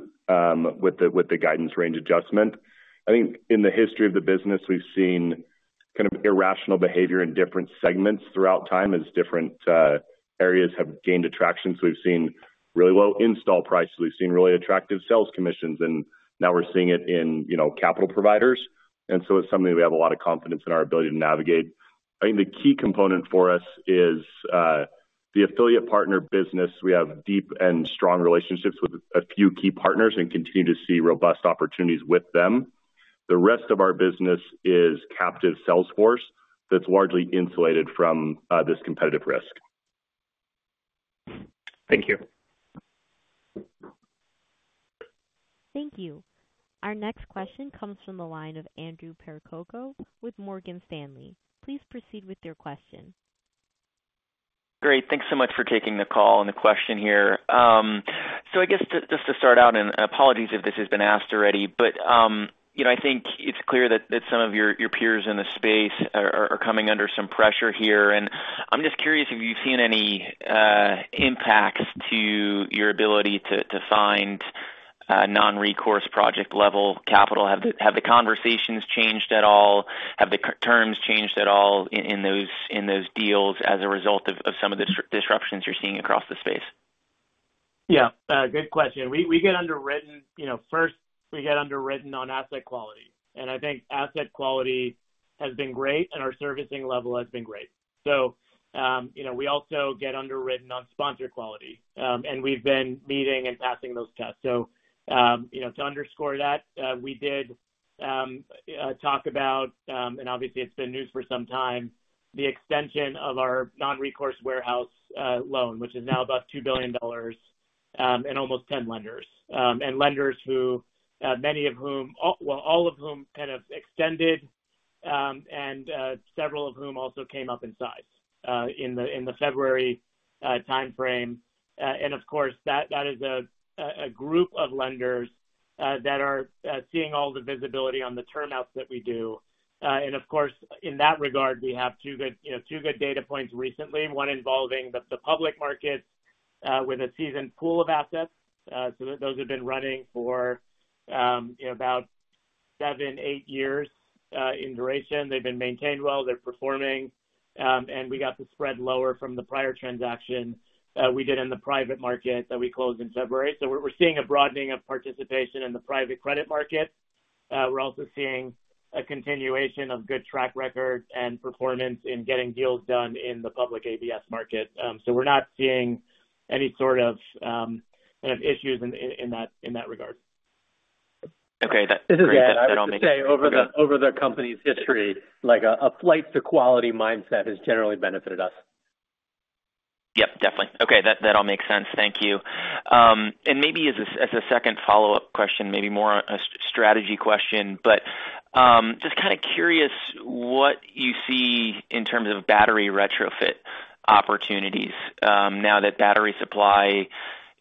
with the guidance range adjustment. I think in the history of the business, we've seen kind of irrational behavior in different segments throughout time as different areas have gained attraction. So we've seen really low install prices. We've seen really attractive sales commissions, and now we're seeing it in, you know, capital providers. And so it's something that we have a lot of confidence in our ability to navigate. I think the key component for us is the affiliate partner business. We have deep and strong relationships with a few key partners and continue to see robust opportunities with them. The rest of our business is captive salesforce that's largely insulated from this competitive risk. Thank you. Thank you. Our next question comes from the line of Andrew Percoco with Morgan Stanley. Please proceed with your question. Great. Thanks so much for taking the call and the question here. So I guess to just to start out, and apologies if this has been asked already, but, you know, I think it's clear that some of your peers in the space are coming under some pressure here. And I'm just curious if you've seen any impacts to your ability to find non-recourse project-level capital. Have the conversations changed at all? Have the terms changed at all in those deals as a result of some of the disruptions you're seeing across the space? Yeah. Good question. We get underwritten, you know, first, we get underwritten on asset quality. And I think asset quality has been great, and our servicing level has been great. So, you know, we also get underwritten on sponsor quality, and we've been meeting and passing those tests. So, you know, to underscore that, we did talk about, and obviously, it's been news for some time, the extension of our non-recourse warehouse loan, which is now about $2 billion, and almost 10 lenders, and lenders who, many of whom, all of whom kind of extended, and several of whom also came up in size, in the February timeframe. Of course, that is a group of lenders that are seeing all the visibility on the turnouts that we do. Of course, in that regard, we have two good, you know, data points recently, one involving the public markets with a seasoned pool of assets. So those have been running for, you know, about seven to eight years in duration. They've been maintained well. They're performing. And we got the spread lower from the prior transaction we did in the private market that we closed in February. So we're seeing a broadening of participation in the private credit market. We're also seeing a continuation of good track record and performance in getting deals done in the public ABS market. So we're not seeing any sort of kind of issues in that regard. Okay. That all makes sense. This is great. That all makes sense. I would say over the company's history, like, a flight-to-quality mindset has generally benefited us. Yep. Definitely. Okay. That all makes sense. Thank you. Maybe as a second follow-up question, maybe more a strategy question, but just kind of curious what you see in terms of battery retrofit opportunities, now that battery supply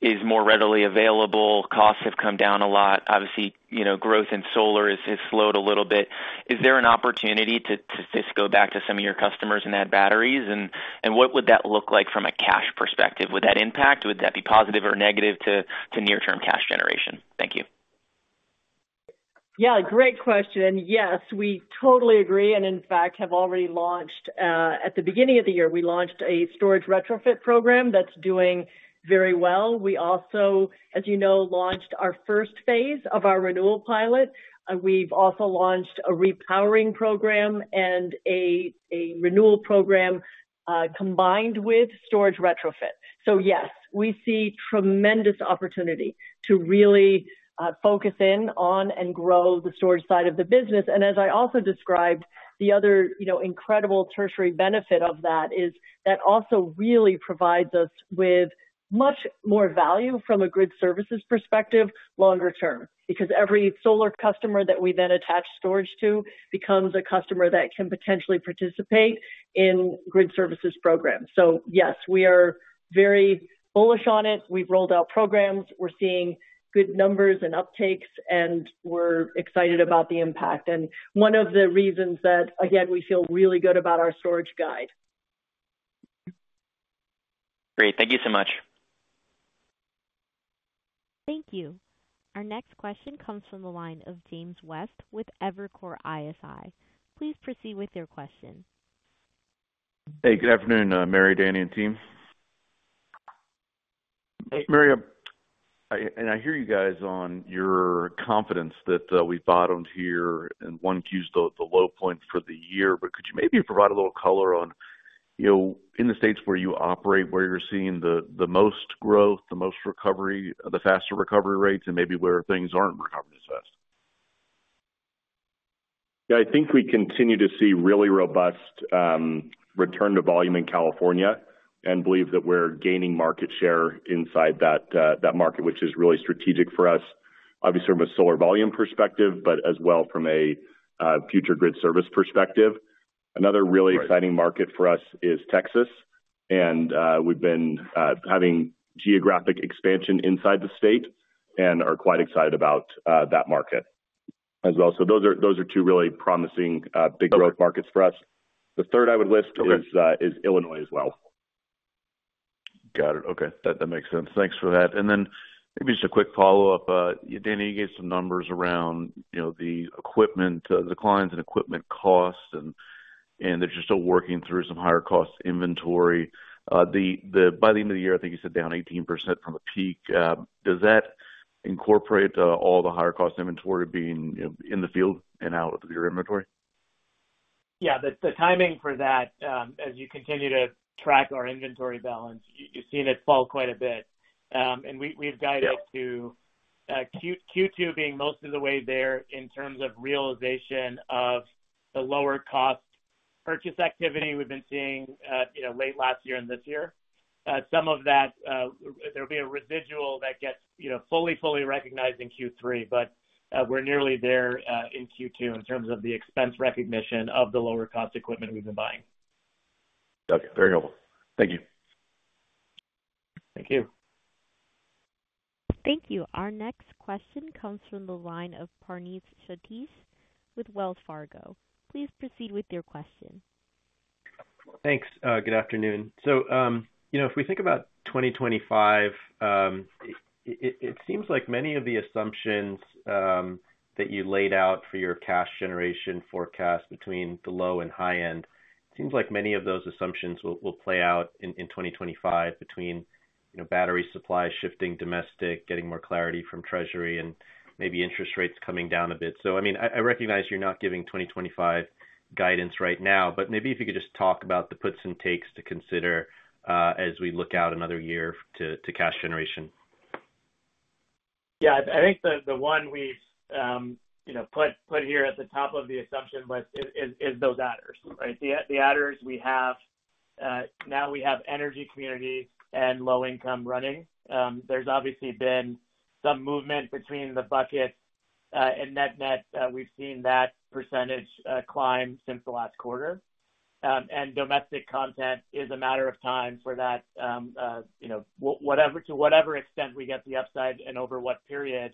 is more readily available, costs have come down a lot. Obviously, you know, growth in solar has slowed a little bit. Is there an opportunity to just go back to some of your customers and add batteries, and what would that look like from a cash perspective? Would that impact? Would that be positive or negative to near-term cash generation? Thank you. Yeah. Great question. Yes. We totally agree and, in fact, have already launched. At the beginning of the year, we launched a storage retrofit program that's doing very well. We also, as you know, launched our first phase of our renewal pilot. We've also launched a repowering program and a renewal program, combined with storage retrofit. So yes, we see tremendous opportunity to really, focus in on and grow the storage side of the business. And as I also described, the other, you know, incredible tertiary benefit of that is that also really provides us with much more value from a grid services perspective longer term because every solar customer that we then attach storage to becomes a customer that can potentially participate in grid services programs. So yes, we are very bullish on it. We've rolled out programs. We're seeing good numbers and uptakes, and we're excited about the impact. One of the reasons that, again, we feel really good about our storage guide. Great. Thank you so much. Thank you. Our next question comes from the line of James West with Evercore ISI. Please proceed with your question. Hey. Good afternoon, Mary, Danny, and team. Hey, Mary, I hear you guys on your confidence that we've bottomed here and Q1 is the low point for the year, but could you maybe provide a little color on, you know, in the states where you operate, where you're seeing the most growth, the most recovery, the faster recovery rates, and maybe where things aren't recovering as fast? Yeah, I think we continue to see really robust return to volume in California and believe that we're gaining market share inside that market, which is really strategic for us, obviously from a solar volume perspective, but as well from a future grid service perspective. Another really exciting market for us is Texas, and we've been having geographic expansion inside the state and are quite excited about that market as well. So those are two really promising big growth markets for us. The third I would list is Illinois as well. Got it. Okay. That makes sense. Thanks for that. And then maybe just a quick follow-up. Danny, you gave some numbers around you know the equipment declines in equipment cost, and they're just still working through some higher-cost inventory. By the end of the year, I think you said down 18% from the peak. Does that incorporate all the higher-cost inventory being, you know, in the field and out of your inventory? Yeah. The timing for that, as you continue to track our inventory balance, you've seen it fall quite a bit. And we've guided to Q2 being most of the way there in terms of realization of the lower-cost purchase activity we've been seeing, you know, late last year and this year. Some of that, there'll be a residual that gets, you know, fully recognized in Q3, but we're nearly there in Q2 in terms of the expense recognition of the lower-cost equipment we've been buying. Okay. Very helpful. Thank you. Thank you. Thank you. Our next question comes from the line of Praneeth Satish with Wells Fargo. Please proceed with your question. Thanks. Good afternoon. So, you know, if we think about 2025, it seems like many of the assumptions that you laid out for your cash generation forecast between the low and high end, it seems like many of those assumptions will play out in 2025 between, you know, battery supply shifting domestic, getting more clarity from Treasury, and maybe interest rates coming down a bit. So, I mean, I recognize you're not giving 2025 guidance right now, but maybe if you could just talk about the puts and takes to consider, as we look out another year to cash generation. Yeah. I think the one we've, you know, put here at the top of the assumption list is those adders, right? The adders we have, now we have energy communities and low-income running. There's obviously been some movement between the bucket and net-net. We've seen that percentage climb since the last quarter. And domestic content is a matter of time for that, you know, whatever to whatever extent we get the upside and over what period.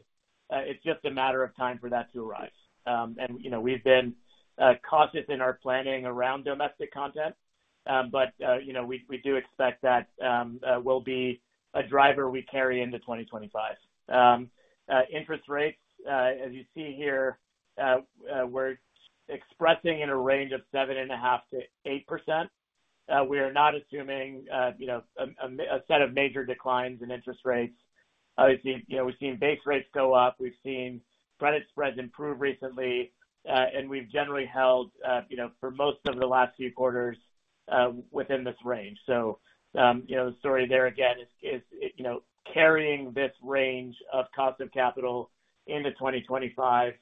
It's just a matter of time for that to arrive. And, you know, we've been cautious in our planning around domestic content, but, you know, we do expect that will be a driver we carry into 2025. Interest rates, as you see here, we're expressing in a range of 7.5% to 8%. We are not assuming, you know, a set of major declines in interest rates. Obviously, you know, we've seen base rates go up. We've seen credit spreads improve recently, and we've generally held, you know, for most of the last few quarters, within this range. So, you know, the story there again is, you know, carrying this range of cost of capital into 2025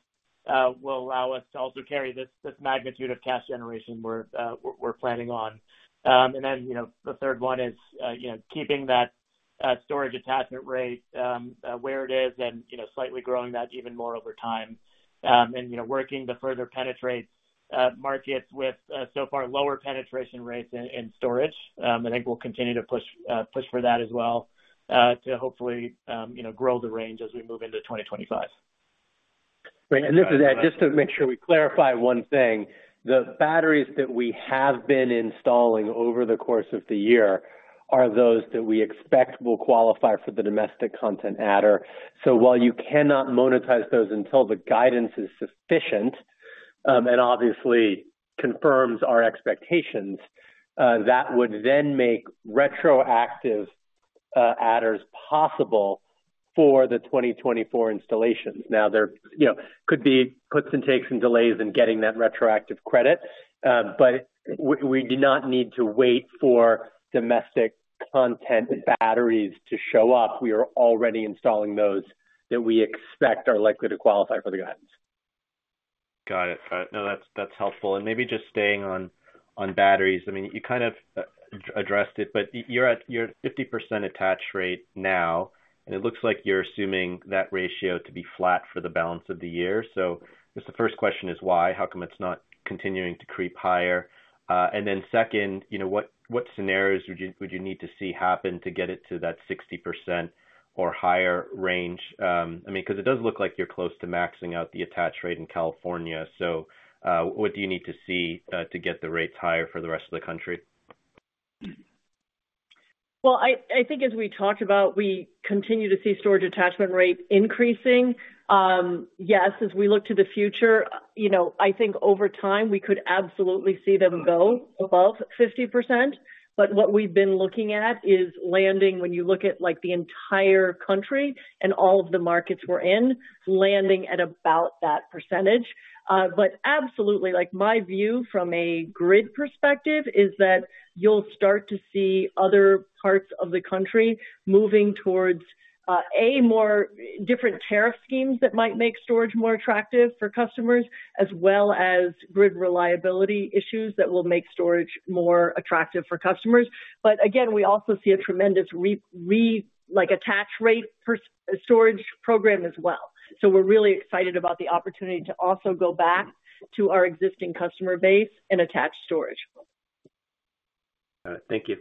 will allow us to also carry this magnitude of cash generation we're planning on. And then, you know, the third one is, you know, keeping that storage attachment rate where it is and, you know, slightly growing that even more over time, and, you know, working to further penetrate markets with so far lower penetration rates in storage. I think we'll continue to push for that as well, to hopefully, you know, grow the range as we move into 2025. Great. And this is just to make sure we clarify one thing. The batteries that we have been installing over the course of the year are those that we expect will qualify for the Domestic Content Adder. So while you cannot monetize those until the guidance is sufficient, and obviously confirms our expectations, that would then make retroactive adders possible for the 2024 installations. Now, there you know, could be puts and takes and delays in getting that retroactive credit, but we, we do not need to wait for domestic content batteries to show up. We are already installing those that we expect are likely to qualify for the guidance. Got it. No, that's, that's helpful. And maybe just staying on, on batteries, I mean, you kind of addressed it, but you're at your 50% attach rate now, and it looks like you're assuming that ratio to be flat for the balance of the year. So I guess the first question is why? How come it's not continuing to creep higher? And then second, you know, what, what scenarios would you would you need to see happen to get it to that 60% or higher range? I mean, because it does look like you're close to maxing out the attach rate in California. So, what do you need to see, to get the rates higher for the rest of the country? Well, I, I think as we talked about, we continue to see storage attachment rate increasing. Yes, as we look to the future, you know, I think over time, we could absolutely see them go above 50%, but what we've been looking at is landing when you look at, like, the entire country and all of the markets we're in, landing at about that percentage. But absolutely, like, my view from a grid perspective is that you'll start to see other parts of the country moving towards, A, more different tariff schemes that might make storage more attractive for customers, as well as grid reliability issues that will make storage more attractive for customers. But again, we also see a tremendous re-attach, like, rate per storage program as well. So we're really excited about the opportunity to also go back to our existing customer base and attach storage. Got it. Thank you.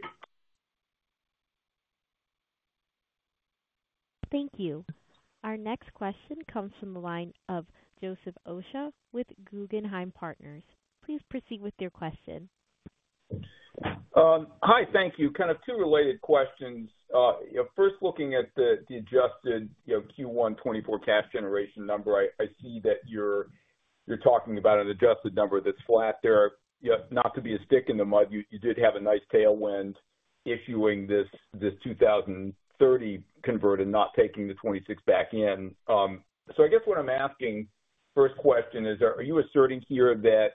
Thank you. Our next question comes from the line of Joseph Osha with Guggenheim Securities. Please proceed with your question. Hi. Thank you. Kind of two related questions. You know, first, looking at the adjusted Q1 2024 cash generation number, I see that you're talking about an adjusted number that's flat there. You know, not to be a stick in the mud, you, you did have a nice tailwind issuing this, this 2030 convert and not taking the 2026 back in. So I guess what I'm asking, first question is, are you asserting here that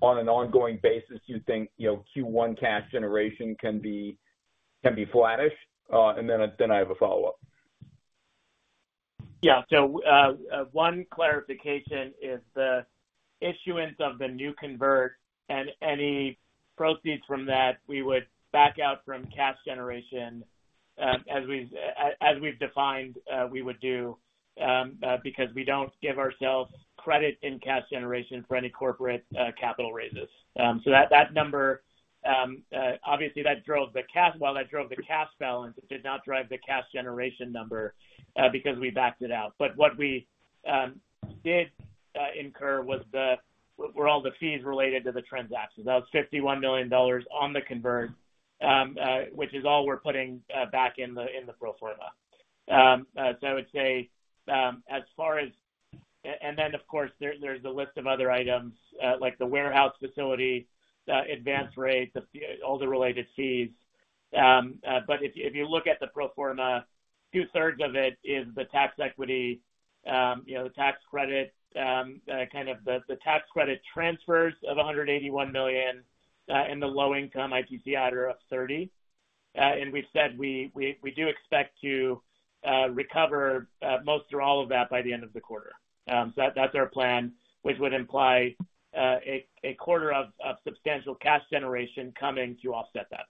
on an ongoing basis, you think, you know, Q1 cash generation can be can be flattish? And then I then I have a follow-up. Yeah. So, one clarification is the issuance of the new convert and any proceeds from that, we would back out from cash generation, as we've as we've defined, we would do, because we don't give ourselves credit in cash generation for any corporate, capital raises. So that, that number, obviously, that drove the cash while that drove the cash balance, it did not drive the cash generation number, because we backed it out. But what we did incur was there were all the fees related to the transactions. That was $51 million on the convert, which is all we're putting back in the pro forma. So I would say, as far as and then, of course, there's a list of other items, like the warehouse facility, the advance rate, the fees, all the related fees. But if you look at the pro forma, 2/3 of it is the tax equity, you know, the tax credit, kind of the tax credit transfers of $181 million, and the low-income ITC adder of $30 million. And we've said we do expect to recover most or all of that by the end of the quarter. So that's our plan, which would imply a quarter of substantial cash generation coming to offset that.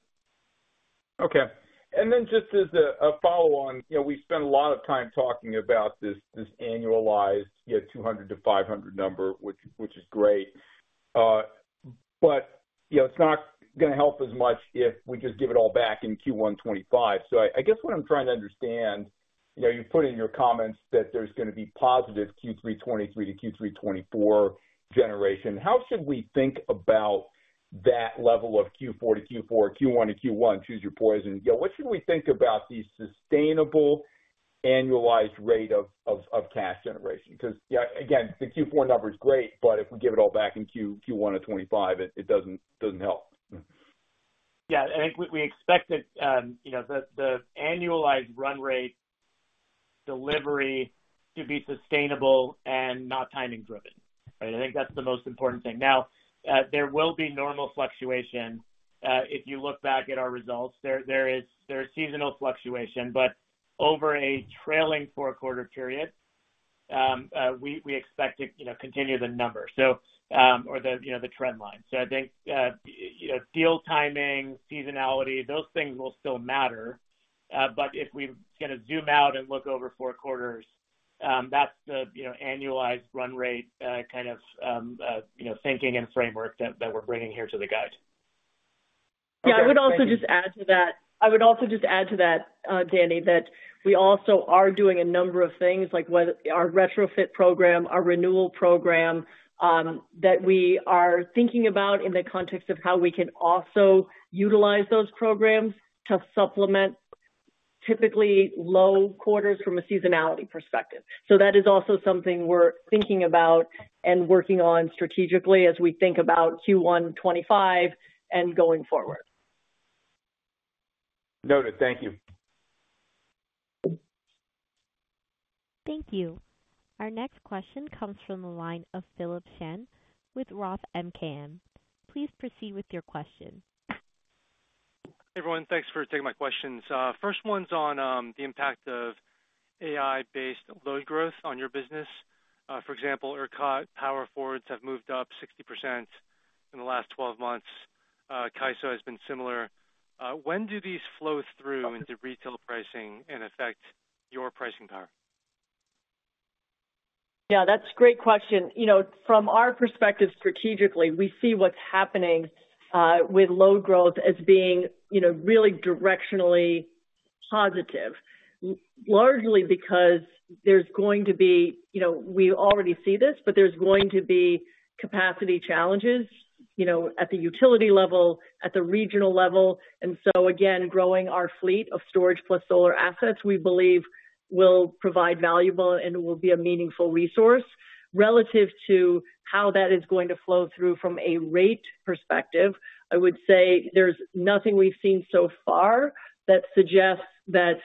Okay. And then just as a follow-on, you know, we spend a lot of time talking about this annualized, you know, 200 to 500 number, which is great, but you know, it's not going to help as much if we just give it all back in Q1 2025. So I guess what I'm trying to understand, you know, you put in your comments that there's going to be positive Q3 2023 to Q3 2024 generation. How should we think about that level of Q4 to Q4, Q1 to Q1, choose your poison, you know, what should we think about the sustainable annualized rate of cash generation? Because, yeah, again, the Q4 number is great, but if we give it all back in Q1 of 2025, it doesn't help. Yeah. I think we expect it, you know, the annualized run rate delivery to be sustainable and not timing-driven, right? I think that's the most important thing. Now, there will be normal fluctuation. If you look back at our results, there is seasonal fluctuation, but over a trailing four-quarter period, we expect to, you know, continue the number or the trend line. So I think, you know, deal timing, seasonality, those things will still matter. But if we're going to zoom out and look over four quarters, that's the annualized run rate, kind of, you know, thinking and framework that we're bringing here to the guide. Yeah. I would also just add to that I would also just add to that, Danny, that we also are doing a number of things, like whether our retrofit program, our renewal program, that we are thinking about in the context of how we can also utilize those programs to supplement typically low quarters from a seasonality perspective. So that is also something we're thinking about and working on strategically as we think about Q1 2025 and going forward. Noted. Thank you. Thank you. Our next question comes from the line of Philip Shen with Roth MKM. Please proceed with your question. Hey, everyone. Thanks for taking my questions. First one’s on the impact of AI-based load growth on your business. For example, ERCOT Power Forwards have moved up 60% in the last 12 months. CAISO has been similar. When do these flow through into retail pricing and affect your pricing power? Yeah. That's a great question. You know, from our perspective, strategically, we see what's happening with load growth as being, you know, really directionally positive, largely because there's going to be you know, we already see this, but there's going to be capacity challenges, you know, at the utility level, at the regional level. And so, again, growing our fleet of storage plus solar assets, we believe, will provide valuable and will be a meaningful resource. Relative to how that is going to flow through from a rate perspective, I would say there's nothing we've seen so far that suggests that,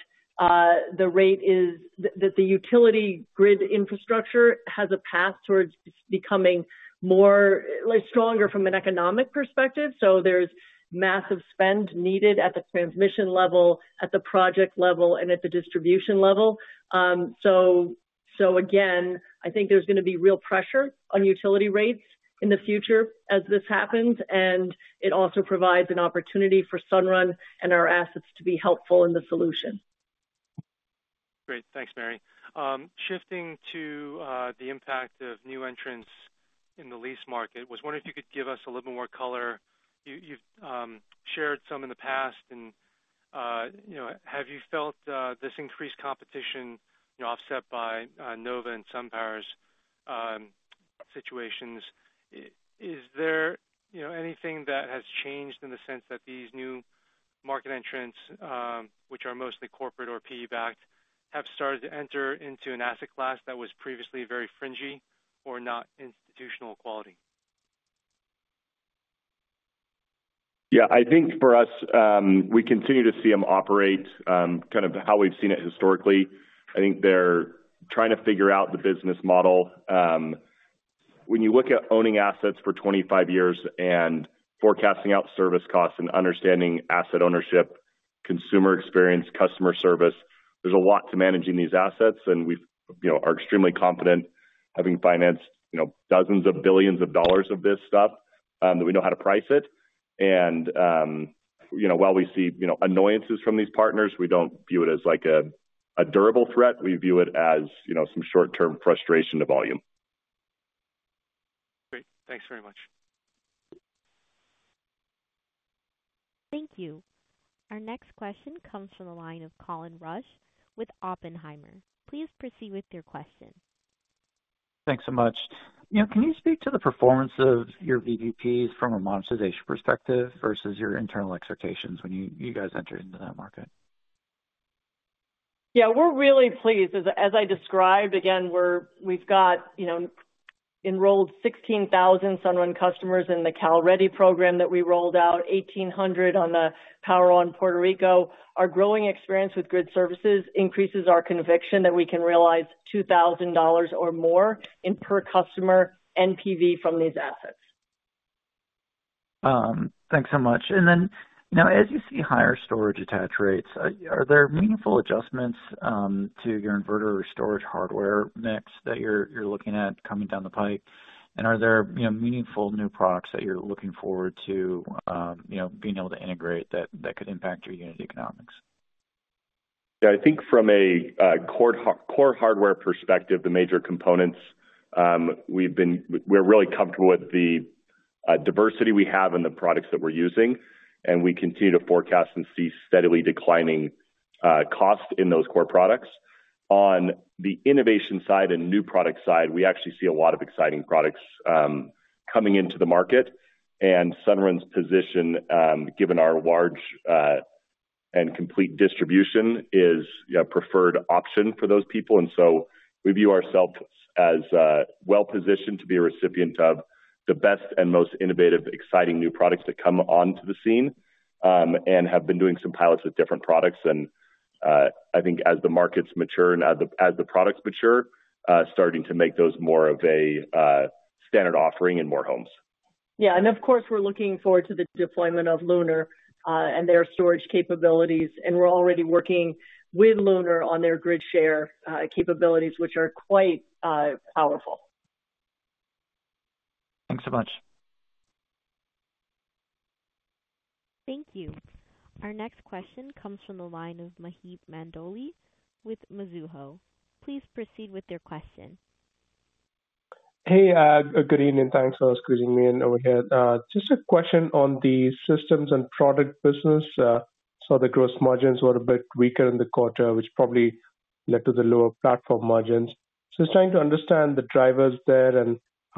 the rate is that the utility grid infrastructure has a path towards becoming more, like, stronger from an economic perspective. So there's massive spend needed at the transmission level, at the project level, and at the distribution level. So, again, I think there's going to be real pressure on utility rates in the future as this happens, and it also provides an opportunity for Sunrun and our assets to be helpful in the solution. Great. Thanks, Mary. Shifting to the impact of new entrants in the lease market, I was wondering if you could give us a little bit more color. You've shared some in the past, and, you know, have you felt this increased competition, you know, offset by Sunnova and SunPower's situations? Is there, you know, anything that has changed in the sense that these new market entrants, which are mostly corporate or PE-backed, have started to enter into an asset class that was previously very fringy or not institutional quality? Yeah. I think for us, we continue to see them operate kind of how we've seen it historically. I think they're trying to figure out the business model. When you look at owning assets for 25 years and forecasting out service costs and understanding asset ownership, consumer experience, customer service, there's a lot to managing these assets. And we've, you know, are extremely confident having financed, you know, dozens of billions of dollars of this stuff, that we know how to price it. And, you know, while we see, you know, annoyances from these partners, we don't view it as, like, a, a durable threat. We view it as, you know, some short-term frustration to volume. Great. Thanks very much. Thank you. Our next question comes from the line of Colin Rusch with Oppenheimer. Please proceed with your question. Thanks so much. You know, can you speak to the performance of your VPPs from a monetization perspective versus your internal expectations when you, you guys entered into that market? Yeah. We're really pleased. As I described, again, we've got, you know, enrolled 16,000 Sunrun customers in the CalReady program that we rolled out, 1,800 on the PowerOn Puerto Rico. Our growing experience with grid services increases our conviction that we can realize $2,000 or more in per customer NPV from these assets. Thanks so much. And then, you know, as you see higher storage attach rates, are there meaningful adjustments to your inverter or storage hardware mix that you're looking at coming down the pike? And are there, you know, meaningful new products that you're looking forward to, you know, being able to integrate that could impact your unit economics? Yeah. I think from a core hardware perspective, the major components, we're really comfortable with the diversity we have in the products that we're using, and we continue to forecast and see steadily declining cost in those core products. On the innovation side and new product side, we actually see a lot of exciting products coming into the market. And Sunrun's position, given our large and complete distribution, is, you know, a preferred option for those people. And so we view ourselves as well-positioned to be a recipient of the best and most innovative, exciting new products that come onto the scene, and have been doing some pilots with different products. And I think as the markets mature and as the products mature, starting to make those more of a standard offering in more homes. Yeah. Of course, we're looking forward to the deployment of Lunar and their storage capabilities. We're already working with Lunar on their GridShare capabilities, which are quite powerful. Thanks so much. Thank you. Our next question comes from the line of Maheep Mandloi with Mizuho. Please proceed with your question. Hey. Good evening. Thanks for squeezing me in over here. Just a question on the systems and product business. The gross margins were a bit weaker in the quarter, which probably led to the lower platform margins. Just trying to understand the drivers there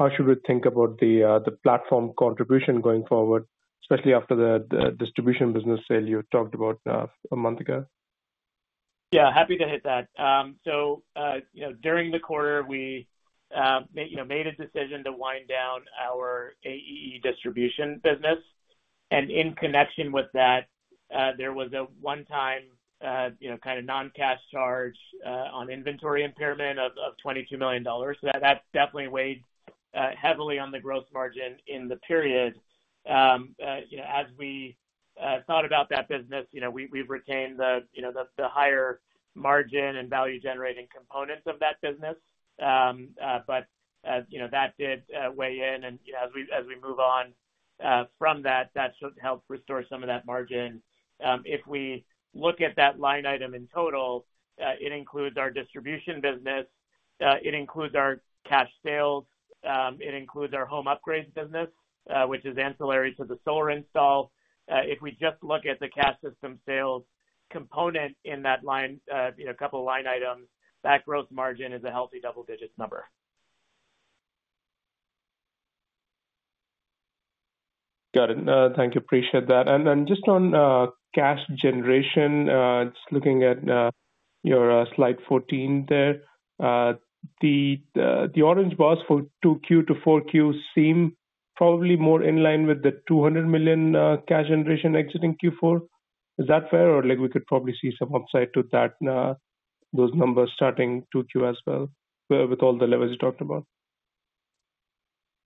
and how should we think about the platform contribution going forward, especially after the distribution business sale you talked about a month ago. Yeah. Happy to hit that. So, you know, during the quarter, we made, you know, a decision to wind down our AEE distribution business. In connection with that, there was a one-time, you know, kind of non-cash charge on inventory impairment of $22 million. That definitely weighed heavily on the gross margin in the period. You know, as we thought about that business, you know, we’ve retained the higher margin and value-generating components of that business. You know, that did weigh in. You know, as we move on from that, that should help restore some of that margin. If we look at that line item in total, it includes our distribution business. It includes our cash sales. It includes our home upgrade business, which is ancillary to the solar install. If we just look at the cash system sales component in that line, you know, a couple of line items, that gross margin is a healthy double-digit number. Got it. Thank you. Appreciate that. And just on cash generation, just looking at your slide 14 there, the orange bars for 2Q to 4Q seem probably more in line with the $200 million cash generation exiting Q4. Is that fair? Or, like, we could probably see some upside to that, those numbers starting 2Q as well, with all the levers you talked about.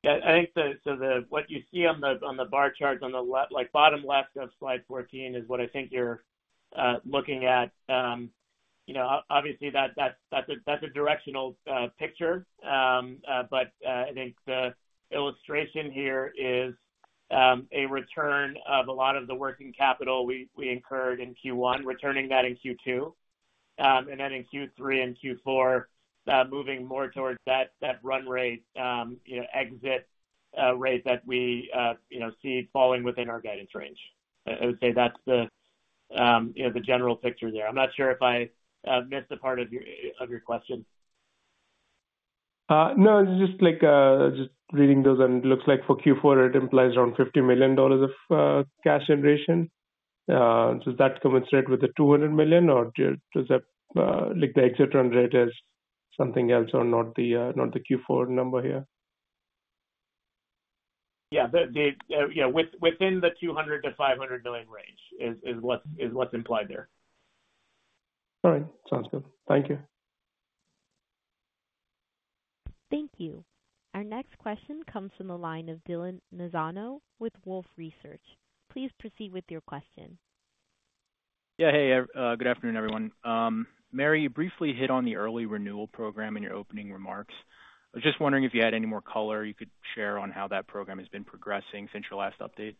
Yeah. I think so. The what you see on the bar charts on the left, like, bottom left of slide 14 is what I think you're looking at. You know, obviously, that's a directional picture. But I think the illustration here is a return of a lot of the working capital we incurred in Q1, returning that in Q2, and then in Q3 and Q4, moving more towards that run rate, you know, exit rate that we, you know, see falling within our guidance range. I would say that's the, you know, the general picture there. I'm not sure if I missed a part of your question. No. It's just, like, just reading those. And it looks like for Q4, it implies around $50 million of cash generation. Does that commensurate with the $200 million, or does that, like, the exit run rate is something else or not the Q4 number here? Yeah. The, you know, within the $200 million to $500 million range is what's implied there. All right. Sounds good. Thank you. Thank you. Our next question comes from the line of Dylan Nassano with Wolfe Research. Please proceed with your question. Yeah. Hey. Good afternoon, everyone. Mary, you briefly hit on the early renewal program in your opening remarks. I was just wondering if you had any more color you could share on how that program has been progressing since your last update.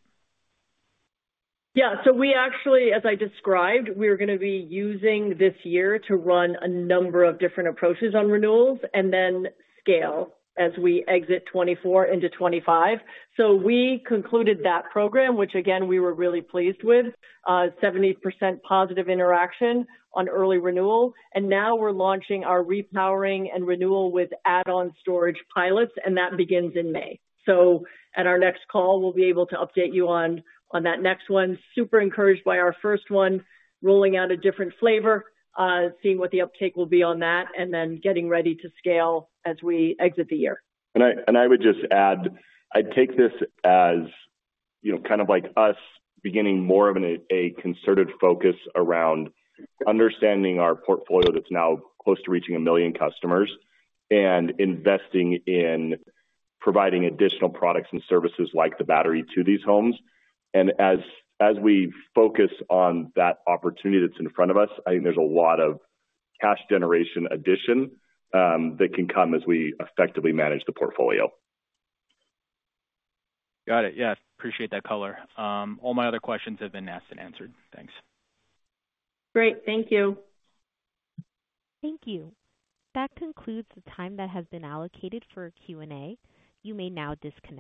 Yeah. So we actually, as I described, we were going to be using this year to run a number of different approaches on renewals and then scale as we exit 2024 into 2025. So we concluded that program, which, again, we were really pleased with, 70% positive interaction on early renewal. And now we're launching our repowering and renewal with add-on storage pilots, and that begins in May. So at our next call, we'll be able to update you on, on that next one, super encouraged by our first one, rolling out a different flavor, seeing what the uptake will be on that, and then getting ready to scale as we exit the year. And I and I would just add, I'd take this as, you know, kind of like us beginning more of an, a concerted focus around understanding our portfolio that's now close to reaching a million customers and investing in providing additional products and services like the battery to these homes. And as, as we focus on that opportunity that's in front of us, I think there's a lot of cash generation addition, that can come as we effectively manage the portfolio. Got it. Yeah. Appreciate that color. All my other questions have been asked and answered. Thanks. Great. Thank you. Thank you. That concludes the time that has been allocated for Q&A. You may now disconnect.